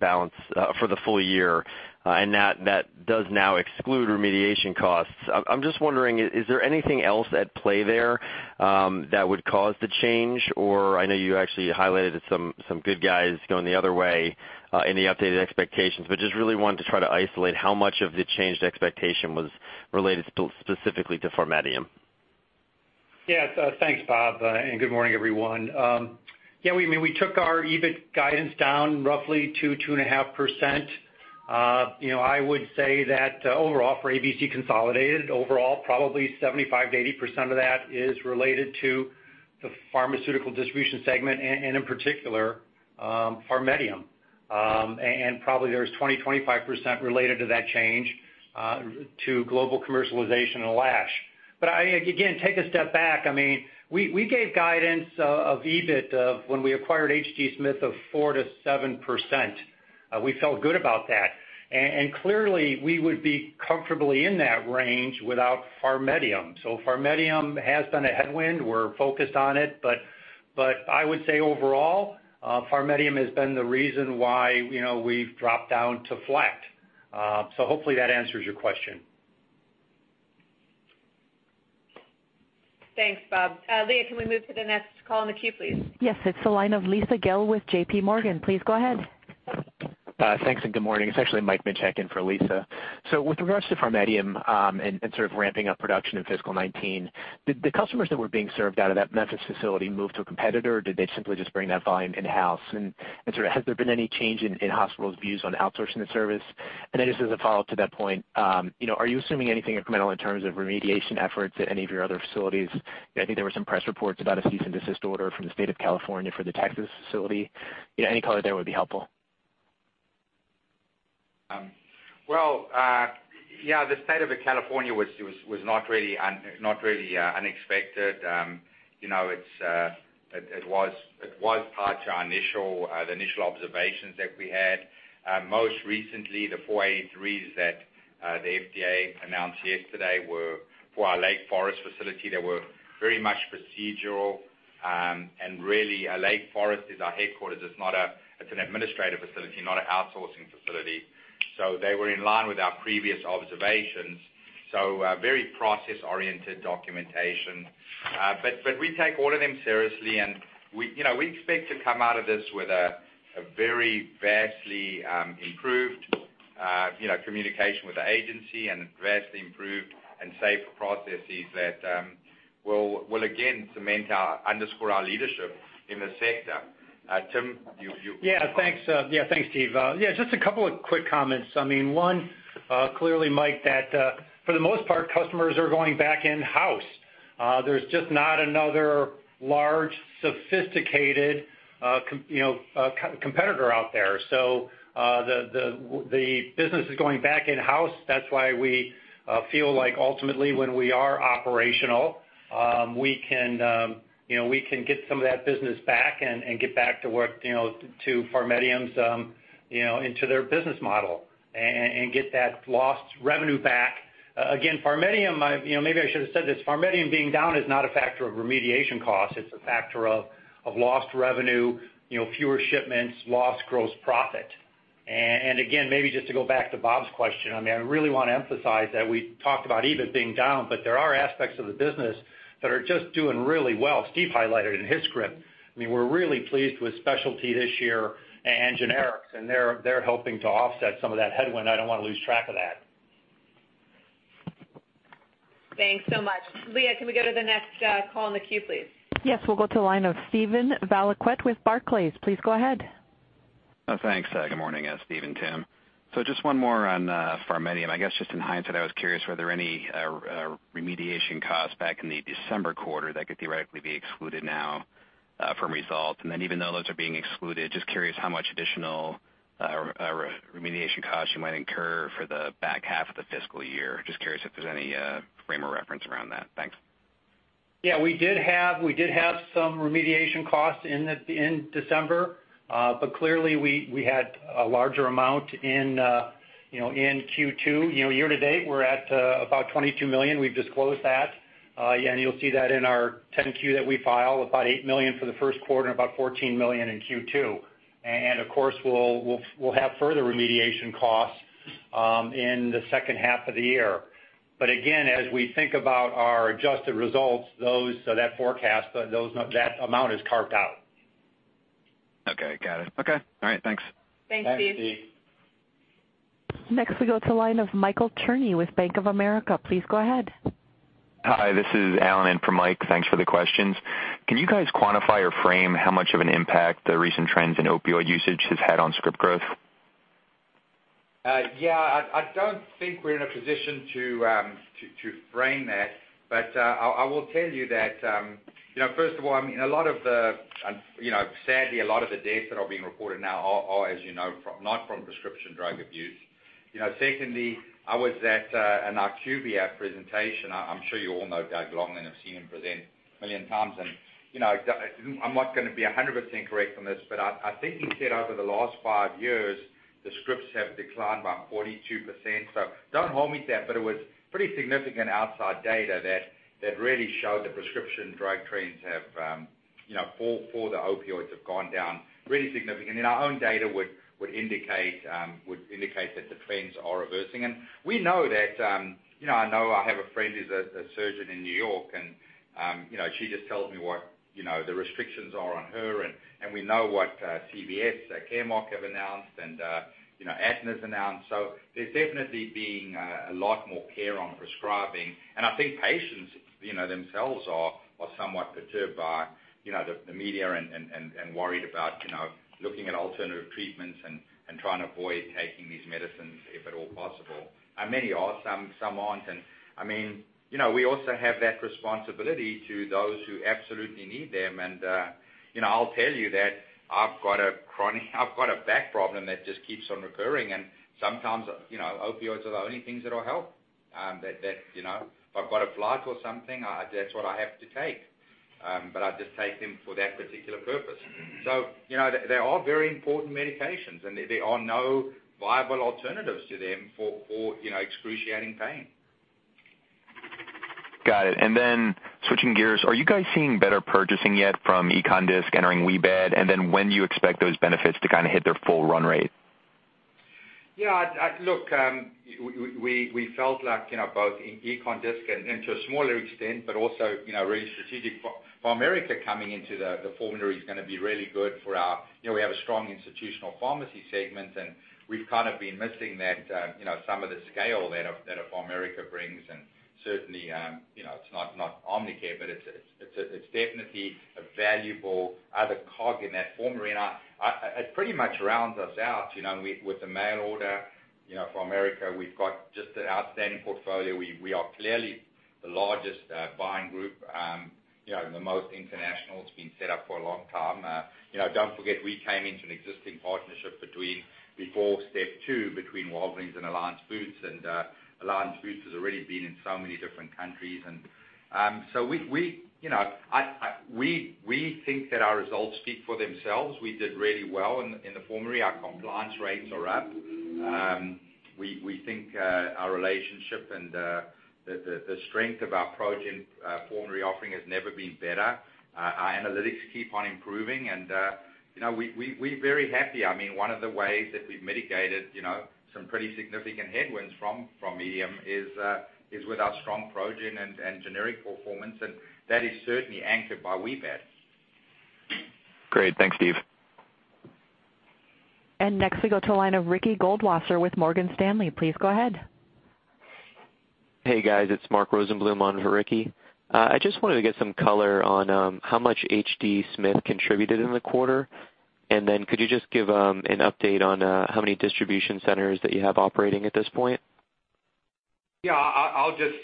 full year, and that does now exclude remediation costs. I'm just wondering, is there anything else at play there that would cause the change or I know you actually highlighted some good guys going the other way in the updated expectations, but just really wanted to try to isolate how much of the changed expectation was related specifically to PharMEDium. Yeah. Thanks, Robert, and good morning, everyone. We took our EBIT guidance down roughly two, 2.5%. I would say that overall for ABC consolidated, overall, probably 75%-80% of that is related to the pharmaceutical distribution segment, and in particular, PharMEDium. Probably there's 20%-25% related to that change to global commercialization and Lash. Again, take a step back. We gave guidance of EBIT of, when we acquired H.D. Smith, of 4%-7%. We felt good about that. Clearly, we would be comfortably in that range without PharMEDium. PharMEDium has been a headwind. We're focused on it. I would say overall, PharMEDium has been the reason why we've dropped down to flat. Hopefully that answers your question. Thanks, Robert. Leah, can we move to the next call in the queue, please? Yes. It's the line of Lisa C. Gill with JPMorgan. Please go ahead. Thanks and good morning. It is actually Mike Michalczuk in for Lisa. With regards to PharMEDium, and sort of ramping up production in fiscal 2019, did the customers that were being served out of that Memphis facility move to a competitor, or did they simply just bring that volume in-house? Has there been any change in hospitals' views on outsourcing the service? Just as a follow-up to that point, are you assuming anything incremental in terms of remediation efforts at any of your other facilities? I think there were some press reports about a cease and desist order from the state of California for the Texas facility. Any color there would be helpful. Well, the state of California was not really unexpected. It was part of the initial observations that we had. Most recently, the Form 483s that the FDA announced yesterday were for our Lake Forest facility. They were very much procedural, and really, Lake Forest is our headquarters. It is an administrative facility, not an outsourcing facility. They were in line with our previous observations. Very process-oriented documentation. We take all of them seriously, and we expect to come out of this with a very vastly improved communication with the agency and vastly improved and safer processes that will again underscore our leadership in the sector. Tim, you- Yeah, thanks, Steve. Just two quick comments. One, clearly, Mike, that for the most part, customers are going back in-house. There is just not another large, sophisticated competitor out there. The business is going back in-house. That is why we feel like ultimately when we are operational, we can get some of that business back and get back to work PharMEDium's into their business model and get that lost revenue back. Again, maybe I should have said this, PharMEDium being down is not a factor of remediation costs. It is a factor of lost revenue, fewer shipments, lost gross profit. Again, maybe just to go back to Bob's question, I really want to emphasize that we talked about EBIT being down, but there are aspects of the business that are just doing really well. Steve highlighted in his script. We are really pleased with specialty this year and generics, and they are helping to offset some of that headwind. I do not want to lose track of that. Thanks so much. Leah, can we go to the next call in the queue, please? Yes. We'll go to the line of Steven Valiquette with Barclays. Please go ahead. Thanks. Good morning, Steve and Tim. Just one more on PharMEDium. I guess just in hindsight, I was curious were there any remediation costs back in the December quarter that could theoretically be excluded now from results? Even though those are being excluded, just curious how much additional remediation costs you might incur for the back half of the fiscal year. Just curious if there's any frame of reference around that. Thanks. Yeah, we did have some remediation costs in December. Clearly, we had a larger amount in Q2. Year to date, we're at about $22 million. We've disclosed that. You'll see that in our 10-Q that we file, about $8 million for the first quarter and about $14 million in Q2. Of course, we'll have further remediation costs in the second half of the year. Again, as we think about our adjusted results, that forecast, that amount is carved out. Got it. Okay. All right. Thanks. Thanks, Steve. Next, we go to the line of Michael Cherny with Bank of America. Please go ahead. Hi, this is Alan in for Mike. Thanks for the questions. Can you guys quantify or frame how much of an impact the recent trends in opioid usage has had on script growth? I don't think we're in a position to frame that. I will tell you that, first of all, sadly, a lot of the deaths that are being reported now are, as you know, not from prescription drug abuse. Secondly, I was at an IQVIA presentation. I'm sure you all know Doug Long and have seen him present a million times, I'm not going to be 100% correct on this, I think he said over the last five years, the scripts have declined by 42%. Don't hold me to that, it was pretty significant outside data that really showed the prescription drug trends for the opioids have gone down really significantly. Our own data would indicate that the trends are reversing. I have a friend who's a surgeon in New York, she just tells me what the restrictions are on her, we know what CVS Caremark have announced, Aetna's announced. There's definitely been a lot more care on prescribing. I think patients themselves are somewhat perturbed by the media and worried about looking at alternative treatments and trying to avoid taking these medicines if at all possible. Many are, some aren't. We also have that responsibility to those who absolutely need them, I'll tell you that I've got a back problem that just keeps on recurring, sometimes, opioids are the only things that'll help. If I've got a flight or something, that's what I have to take. I just take them for that particular purpose. They are very important medications, there are no viable alternatives to them for excruciating pain. Got it. Switching gears, are you guys seeing better purchasing yet from Econdisc entering WBAD, when do you expect those benefits to hit their full run rate? Look, we felt like, both in Econdisc and to a smaller extent, but also really strategic, PharMerica coming into the formulary is going to be really good for our. We have a strong institutional pharmacy segment, and we've been missing some of the scale that PharMerica brings, and certainly, it's not Omnicare, but it's definitely a valuable other cog in that formulary. It pretty much rounds us out with the mail order. PharMerica, we've got just an outstanding portfolio. We are clearly the largest buying group, the most international. It's been set up for a long time. Don't forget, we came into an existing partnership before step 2, between Walgreens and Alliance Boots, and Alliance Boots has already been in so many different countries. We think that our results speak for themselves. We did really well in the formulary. Our compliance rates are up. We think our relationship and the strength of our PRxO Generics formulary offering has never been better. Our analytics keep on improving, and we're very happy. One of the ways that we've mitigated some pretty significant headwinds from PharMEDium is with our strong PRxO Generics and generic performance, and that is certainly anchored by WBAD. Great. Thanks, Steve. Next we go to the line of Ricky Goldwasser with Morgan Stanley. Please go ahead. Hey, guys, it's Mark Rosenbloom on for Ricky. I just wanted to get some color on how much H.D. Smith contributed in the quarter. Then could you just give an update on how many distribution centers that you have operating at this point? Yeah. I'll let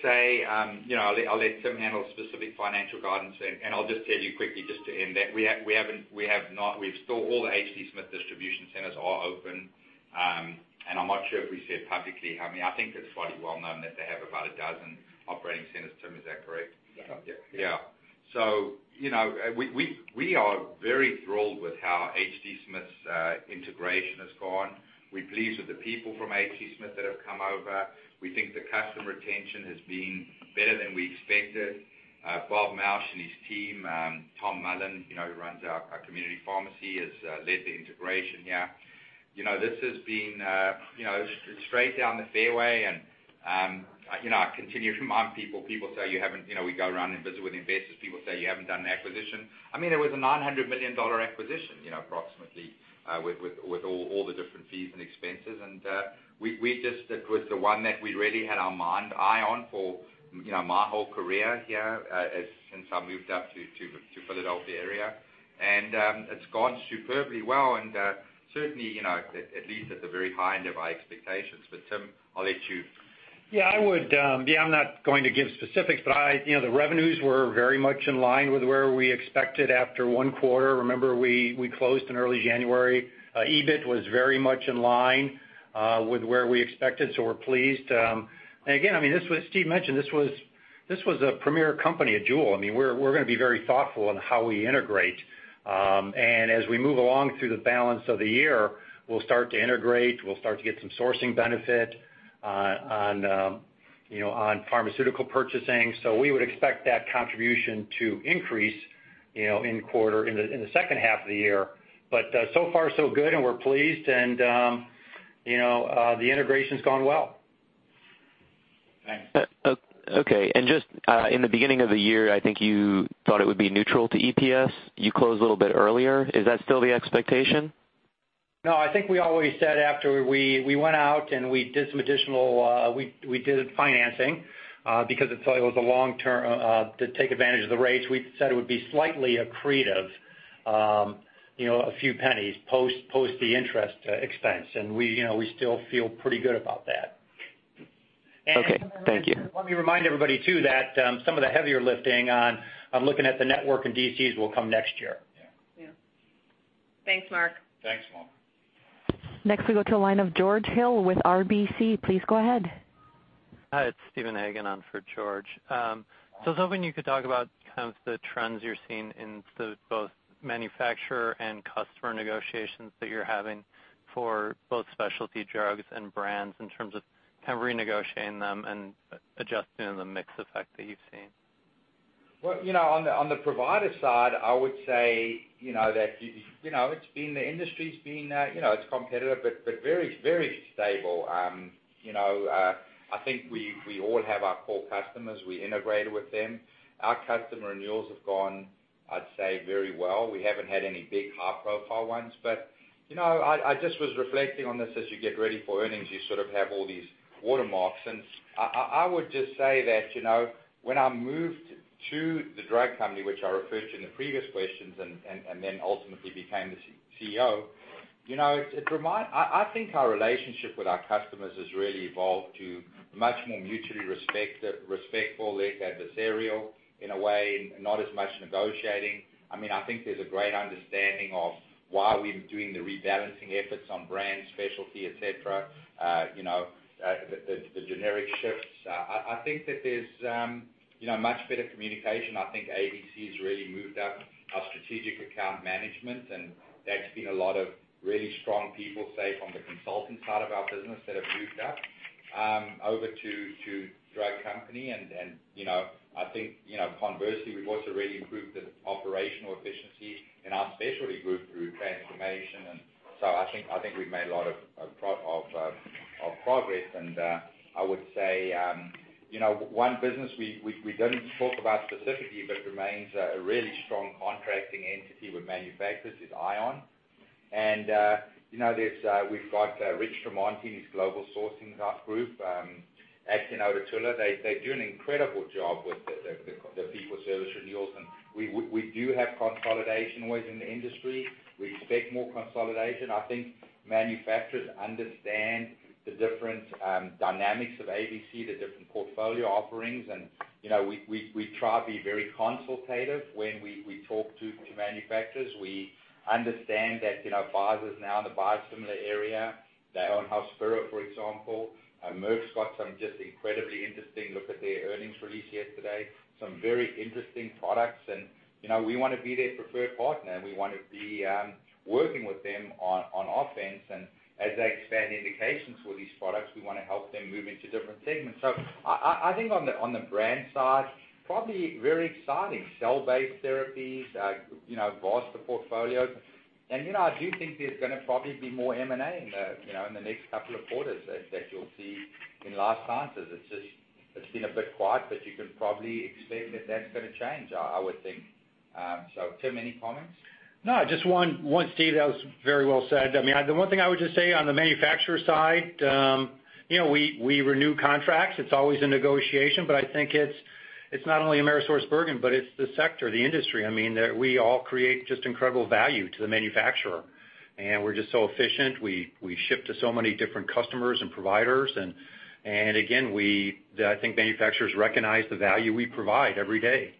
Tim handle specific financial guidance, and I'll just tell you quickly just to end that, all the H.D. Smith distribution centers are open. I'm not sure if we said publicly how many. I think it's fairly well known that they have about a dozen operating centers. Tim, is that correct? Yeah. We are very thrilled with how H.D. Smith's integration has gone. We're pleased with the people from H.D. Smith that have come over. We think the customer retention has been better than we expected. Robert Mauch and his team, Michael Mullen who runs our community pharmacy, has led the integration here. This has been straight down the fairway, and I continue to remind people, we go around and visit with investors, people say, "You haven't done an acquisition." It was a $900 million acquisition, approximately, with all the different fees and expenses. It was the one that we really had our eye on for my whole career here since I moved up to Philadelphia area. It's gone superbly well and certainly, at least hit the very high end of our expectations. Tim, I'll let you Yeah, I'm not going to give specifics, the revenues were very much in line with where we expected after one quarter. Remember, we closed in early January. EBIT was very much in line with where we expected, we're pleased. Again, as Steve mentioned, this was a premier company, a jewel. We're going to be very thoughtful on how we integrate. As we move along through the balance of the year, we'll start to integrate, we'll start to get some sourcing benefit on pharmaceutical purchasing. We would expect that contribution to increase in the second half of the year. So far so good, and we're pleased, and the integration's gone well. Thanks. Okay. Just in the beginning of the year, I think you thought it would be neutral to EPS. You closed a little bit earlier. Is that still the expectation? No, I think we always said after we went out, we did financing, because it was a long-term to take advantage of the rates. We said it would be slightly accretive, a few pennies post the interest expense. We still feel pretty good about that. Okay. Thank you. Let me remind everybody, too, that some of the heavier lifting on looking at the network and DCs will come next year. Yeah. Yeah. Thanks, Mark. Thanks, Mark. Next we go to the line of George Hill with RBC. Please go ahead. Hi, it's Steven Valiquette on for George. I was hoping you could talk about the trends you're seeing in both manufacturer and customer negotiations that you're having for both specialty drugs and brands, in terms of kind of renegotiating them and adjusting the mix effect that you've seen. Well, on the provider side, the industry's been competitive, but very stable. I think we all have our core customers. We integrated with them. Our customer renewals have gone, I'd say, very well. We haven't had any big, high-profile ones, but I just was reflecting on this, as you get ready for earnings, you sort of have all these watermarks. I would just say that, when I moved to the drug company, which I referred to in the previous questions, then ultimately became the CEO, I think our relationship with our customers has really evolved to much more mutually respectful, less adversarial in a way, and not as much negotiating. I think there's a great understanding of why we're doing the rebalancing efforts on brand specialty, et cetera, the generic shifts. I think that there's much better communication. I think ABC has really moved up our strategic account management, and that's been a lot of really strong people, say, from the consulting side of our business that have moved up over to drug company. I think conversely, we've also really improved the operational efficiency in our specialty group through transformation. I think we've made a lot of progress. I would say, one business we didn't talk about specifically but remains a really strong contracting entity with manufacturers is ION. We've got Rich Tremonte, who's global sourcing group, acting out of Tulsa. They do an incredible job with the fee-for-service renewals. We do have consolidation always in the industry. We expect more consolidation. I think manufacturers understand the different dynamics of ABC, the different portfolio offerings. We try to be very consultative when we talk to manufacturers. We understand that Pfizer's now in the biosimilar area. They own Hospira, for example. Merck's got some just incredibly interesting, look at their earnings release yesterday, some very interesting products. We want to be their preferred partner. We want to be working with them on offense. As they expand indications for these products, we want to help them move into different segments. I think on the brand side, probably very exciting. Cell-based therapies, vast the portfolio. I do think there's going to probably be more M&A in the next couple of quarters that you'll see in Life Sciences. It's just been a bit quiet, but you can probably expect that that's going to change, I would think. Tim, any comments? No, just one, Steve, that was very well said. The one thing I would just say on the manufacturer side, we renew contracts. It's always a negotiation, but I think it's not only AmerisourceBergen, but it's the sector, the industry. We all create just incredible value to the manufacturer. We're just so efficient. We ship to so many different customers and providers. Again, I think manufacturers recognize the value we provide every day.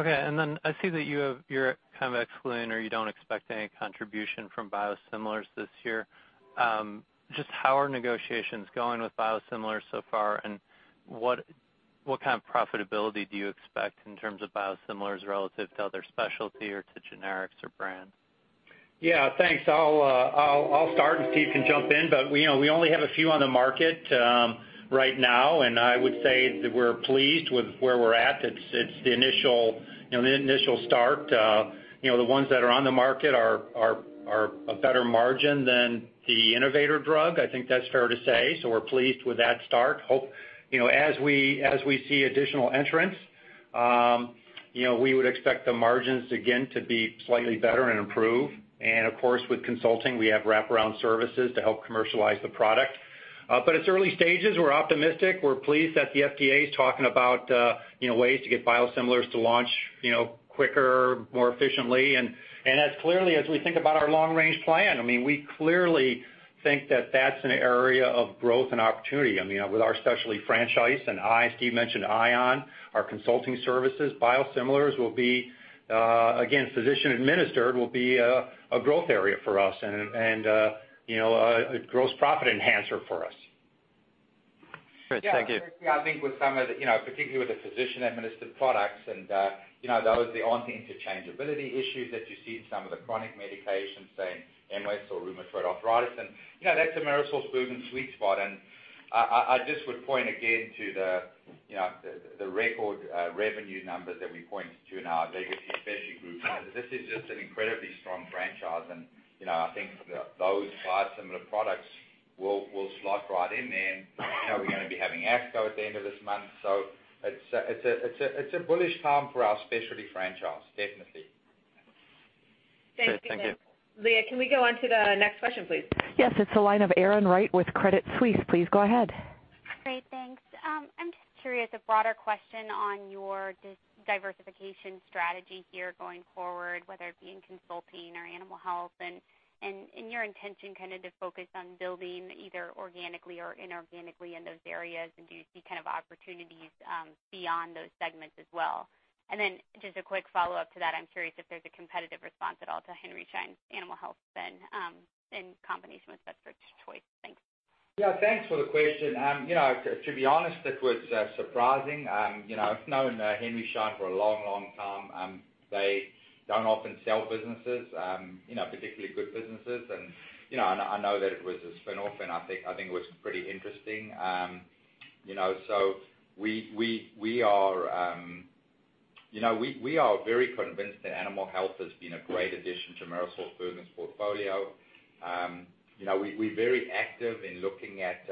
Okay, I see that you're kind of excluding or you don't expect any contribution from biosimilars this year. Just how are negotiations going with biosimilars so far, and what kind of profitability do you expect in terms of biosimilars relative to other specialty or to generics or brands? Yeah, thanks. I'll start, Steve can jump in, we only have a few on the market right now, I would say that we're pleased with where we're at. It's the initial start. The ones that are on the market are a better margin than the innovator drug. I think that's fair to say. We're pleased with that start. As we see additional entrants, we would expect the margins again to be slightly better and improve. Of course, with consulting, we have wraparound services to help commercialize the product. It's early stages. We're optimistic. We're pleased that the FDA is talking about ways to get biosimilars to launch quicker, more efficiently. As clearly as we think about our long-range plan, we clearly think that that's an area of growth and opportunity. With our specialty franchise Steve mentioned ION, our consulting services, biosimilars will be, again, physician administered, will be a growth area for us and a gross profit enhancer for us. Great. Thank you. Yeah, I think particularly with the physician-administered products and those, there aren't any interchangeability issues that you see in some of the chronic medications, say in MS or rheumatoid arthritis. That's AmerisourceBergen's sweet spot. I just would point again to the record revenue numbers that we pointed to in our legacy specialty group, this is just an incredibly strong franchise. I think those five biosimilar products will slot right in there. We're going to be having ASCO at the end of this month. It's a bullish time for our specialty franchise, definitely. Thank you. Thank you. Leah, can we go on to the next question, please? Yes, it's the line of Erin Wright with Credit Suisse. Please go ahead. Great, thanks. I'm just curious, a broader question on your diversification strategy here going forward, whether it be in consulting or animal health and your intention to focus on building either organically or inorganically in those areas. Do you see opportunities beyond those segments as well? Then just a quick follow-up to that, I'm curious if there's a competitive response at all to Henry Schein's Animal Health spin in combination with Vets First Choice. Thanks. Yeah, thanks for the question. To be honest, it was surprising. I've known Henry Schein for a long time. They don't often sell businesses, particularly good businesses. I know that it was a spinoff, and I think it was pretty interesting. We are very convinced that Animal Health has been a great addition to AmerisourceBergen's portfolio. We're very active in looking at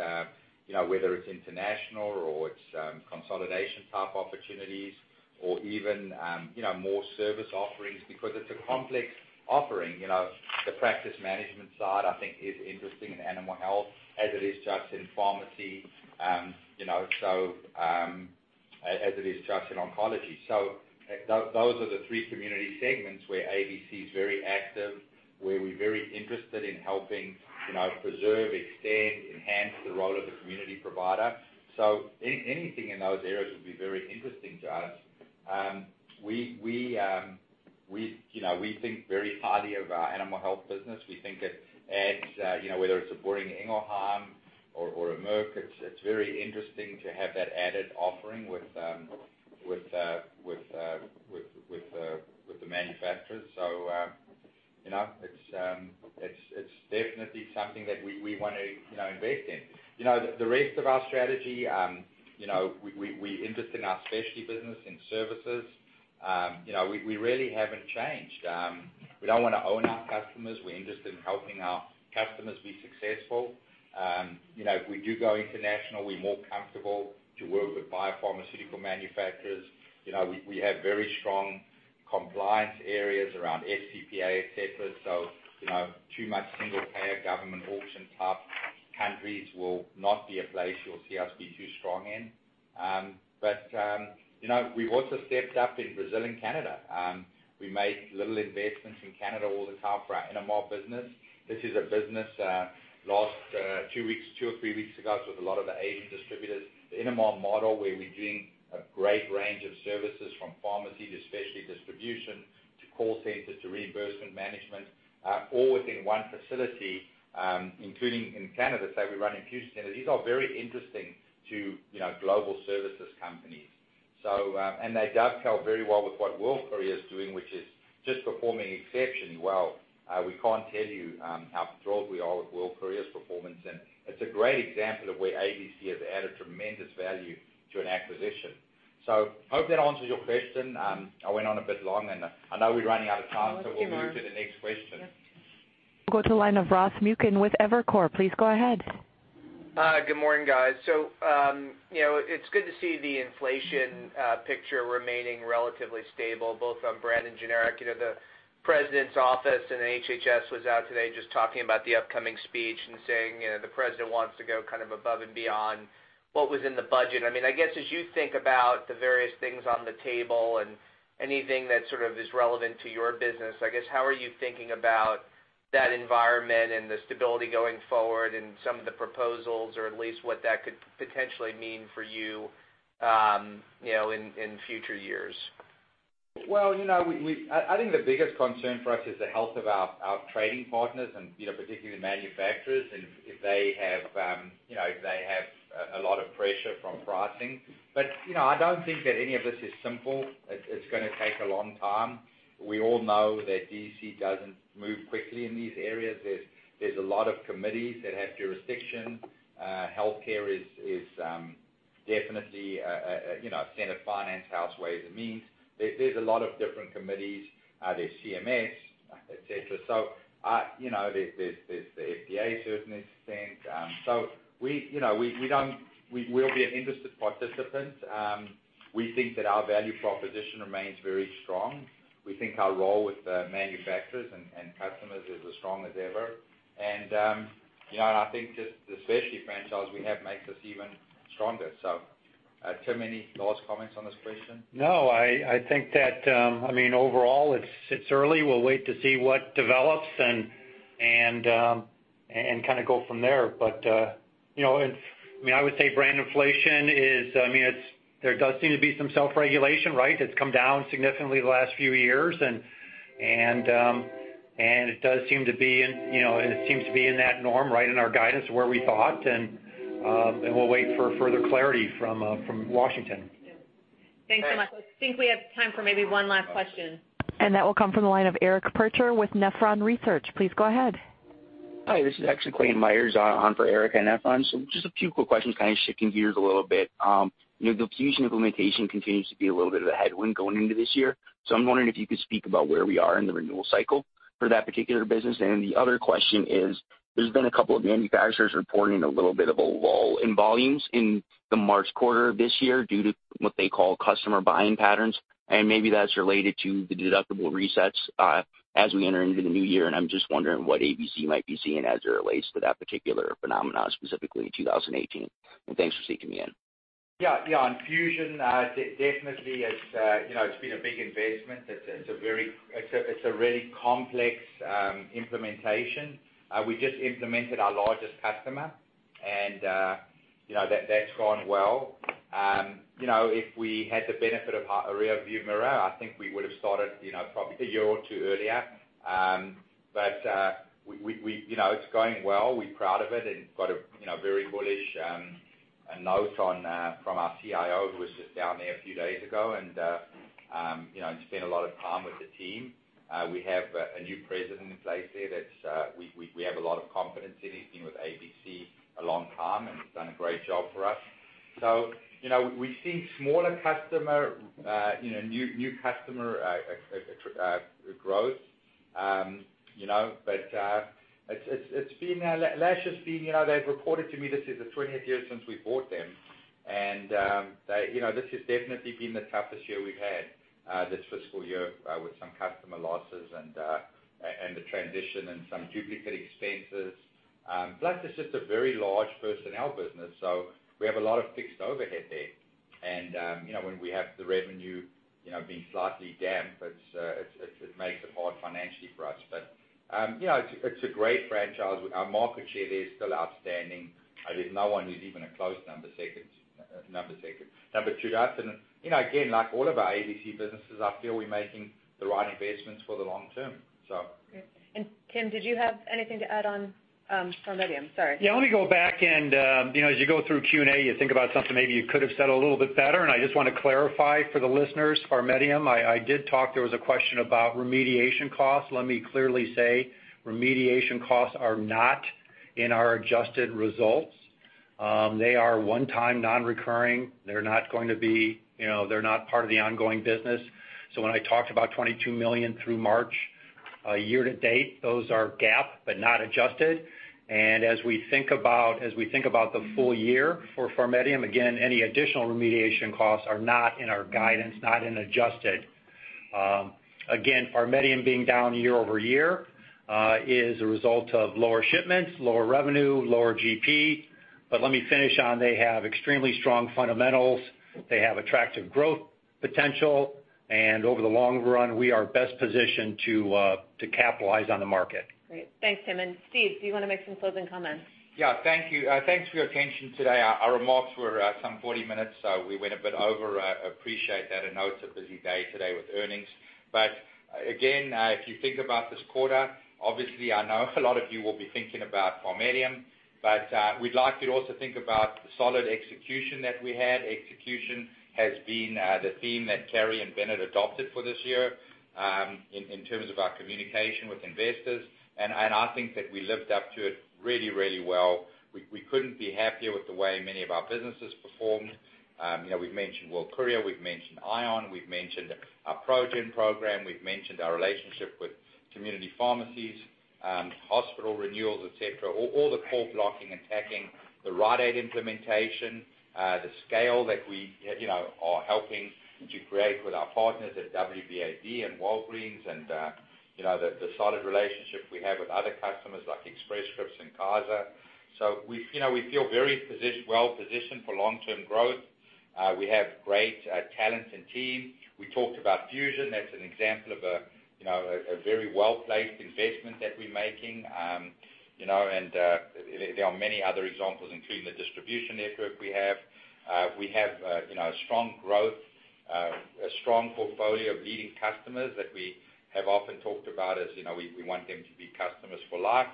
whether it's international or it's consolidation type opportunities or even more service offerings, because it's a complex offering. The practice management side, I think, is interesting in Animal Health as it is just in pharmacy, as it is just in oncology. Those are the three community segments where ABC is very active, where we're very interested in helping preserve, extend, enhance the role of the community provider. Anything in those areas would be very interesting to us. We think very highly of our Animal Health business. We think it adds, whether it's a Boehringer Ingelheim or a Merck, it's very interesting to have that added offering with the manufacturers. It's definitely something that we want to invest in. The rest of our strategy we're interested in our specialty business in services. We really haven't changed. We don't want to own our customers. We're interested in helping our customers be successful. If we do go international, we're more comfortable to work with biopharmaceutical manufacturers. We have very strong compliance areas around FCPA, et cetera. Too much single payer government auction type countries will not be a place you'll see us be too strong in. We've also stepped up in Brazil and Canada. We make little investments in Canada all the time for our Innomar business. This is a business last two or three weeks ago with a lot of the Asian distributors. The Innomar model, where we're doing a great range of services from pharmacy to specialty distribution to call center to reimbursement management, all within one facility, including in Canada, say we run in Houston. These are very interesting to global services companies. They dovetail very well with what World Courier is doing, which is just performing exceptionally well. We can't tell you how thrilled we are with World Courier's performance. It's a great example of where ABC has added tremendous value to an acquisition. Hope that answers your question. I went on a bit long, and I know we're running out of time, so we'll move to the next question. Go to line of Ross Muken with Evercore. Please go ahead. Hi, good morning, guys. It's good to see the inflation picture remaining relatively stable, both on brand and generic. The president's office and HHS was out today just talking about the upcoming speech and saying the president wants to go above and beyond what was in the budget. I guess as you think about the various things on the table and anything that sort of is relevant to your business, I guess how are you thinking about that environment and the stability going forward and some of the proposals, or at least what that could potentially mean for you in future years? I think the biggest concern for us is the health of our trading partners and particularly the manufacturers, if they have a lot of pressure from pricing. I don't think that any of this is simple. It's going to take a long time. We all know that D.C. doesn't move quickly in these areas. There's a lot of committees that have jurisdiction. Healthcare is definitely a Senate Finance, Ways and Means. There's a lot of different committees. There's CMS, et cetera. There's the FDA, certainly. We'll be an interested participant. We think that our value proposition remains very strong. We think our role with the manufacturers and customers is as strong as ever. I think just the specialty franchise we have makes us even stronger. Tim, any last comments on this question? No, I think that overall it's early. We'll wait to see what develops and go from there. I would say brand inflation, there does seem to be some self-regulation, right? It's come down significantly the last few years, and it seems to be in that norm right in our guidance where we thought, and we'll wait for further clarity from Washington. Thanks so much. I think we have time for maybe one last question. That will come from the line of Eric Percher with Nephron Research. Please go ahead. Hi, this is actually Clayton Myers on for Eric at Nephron. Just a few quick questions, kind of shifting gears a little bit. Fusion implementation continues to be a little bit of a headwind going into this year, so I'm wondering if you could speak about where we are in the renewal cycle for that particular business. The other question is, there's been a couple of manufacturers reporting a little bit of a lull in volumes in the March quarter this year due to what they call customer buying patterns, and maybe that's related to the deductible resets as we enter into the new year, and I'm just wondering what ABC might be seeing as it relates to that particular phenomenon, specifically in 2018. Thanks for sneaking me in. Yeah. On Fusion, definitely it's been a big investment. It's a really complex implementation. We just implemented our largest customer and that's gone well. If we had the benefit of a rearview mirror, I think we would've started probably a year or two earlier. It's going well. We're proud of it and got a very bullish note from our CIO, who was just down there a few days ago and spent a lot of time with the team. We have a new president in place there that we have a lot of confidence in. He's been with ABC a long time and has done a great job for us. We've seen smaller customer, new customer growth. Lash, they've reported to me this is the 20th year since we bought them. This has definitely been the toughest year we've had this fiscal year with some customer losses and the transition and some duplicate expenses. It's just a very large personnel business, so we have a lot of fixed overhead there. When we have the revenue being slightly damp, it makes it hard financially for us. It's a great franchise. Our market share there is still outstanding. There's no one who's even a close number 2 to us. Again, like all of our ABC businesses, I feel we are making the right investments for the long term. Great. Tim, did you have anything to add on PharMEDium? Sorry. Yeah, let me go back and, as you go through Q&A, you think about something maybe you could have said a little bit better, and I just want to clarify for the listeners, PharMEDium, I did talk, there was a question about remediation costs. Let me clearly say, remediation costs are not in our adjusted results. They are one-time, non-recurring. They're not part of the ongoing business. When I talked about $22 million through March year to date, those are GAAP but not adjusted. As we think about the full year for PharMEDium, again, any additional remediation costs are not in our guidance, not in adjusted. Again, PharMEDium being down year-over-year is a result of lower shipments, lower revenue, lower GP. Let me finish on, they have extremely strong fundamentals. They have attractive growth potential. Over the long run, we are best positioned to capitalize on the market. Great. Thanks, Tim. Steve, do you want to make some closing comments? Yeah. Thank you. Thanks for your attention today. Our remarks were some 40 minutes, we went a bit over. Appreciate that. I know it's a busy day today with earnings. Again, if you think about this quarter, obviously, I know a lot of you will be thinking about PharMEDium, we'd like you to also think about the solid execution that we had. Execution has been the theme that Keri and Bennett adopted for this year in terms of our communication with investors, and I think that we lived up to it really, really well. We couldn't be happier with the way many of our businesses performed. We've mentioned World Courier, we've mentioned ION Solutions, we've mentioned our PRxO Generics program, we've mentioned our relationship with community pharmacies, hospital renewals, et cetera. All the core blocking and tackling, the Rite Aid implementation, the scale that we are helping to create with our partners at WBAD and Walgreens and the solid relationships we have with other customers like Express Scripts and Kaiser. We feel very well positioned for long-term growth. We have great talent and team. We talked about Fusion. That's an example of a very well-placed investment that we're making. There are many other examples, including the distribution network we have. We have strong growth, a strong portfolio of leading customers that we have often talked about as we want them to be customers for life.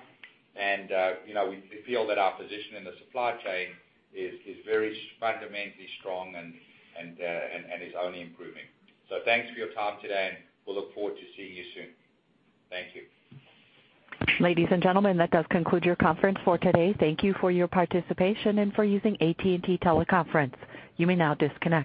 We feel that our position in the supply chain is very fundamentally strong and is only improving. Thanks for your time today, and we'll look forward to seeing you soon. Thank you. Ladies and gentlemen, that does conclude your conference for today. Thank you for your participation and for using AT&T Teleconference. You may now disconnect.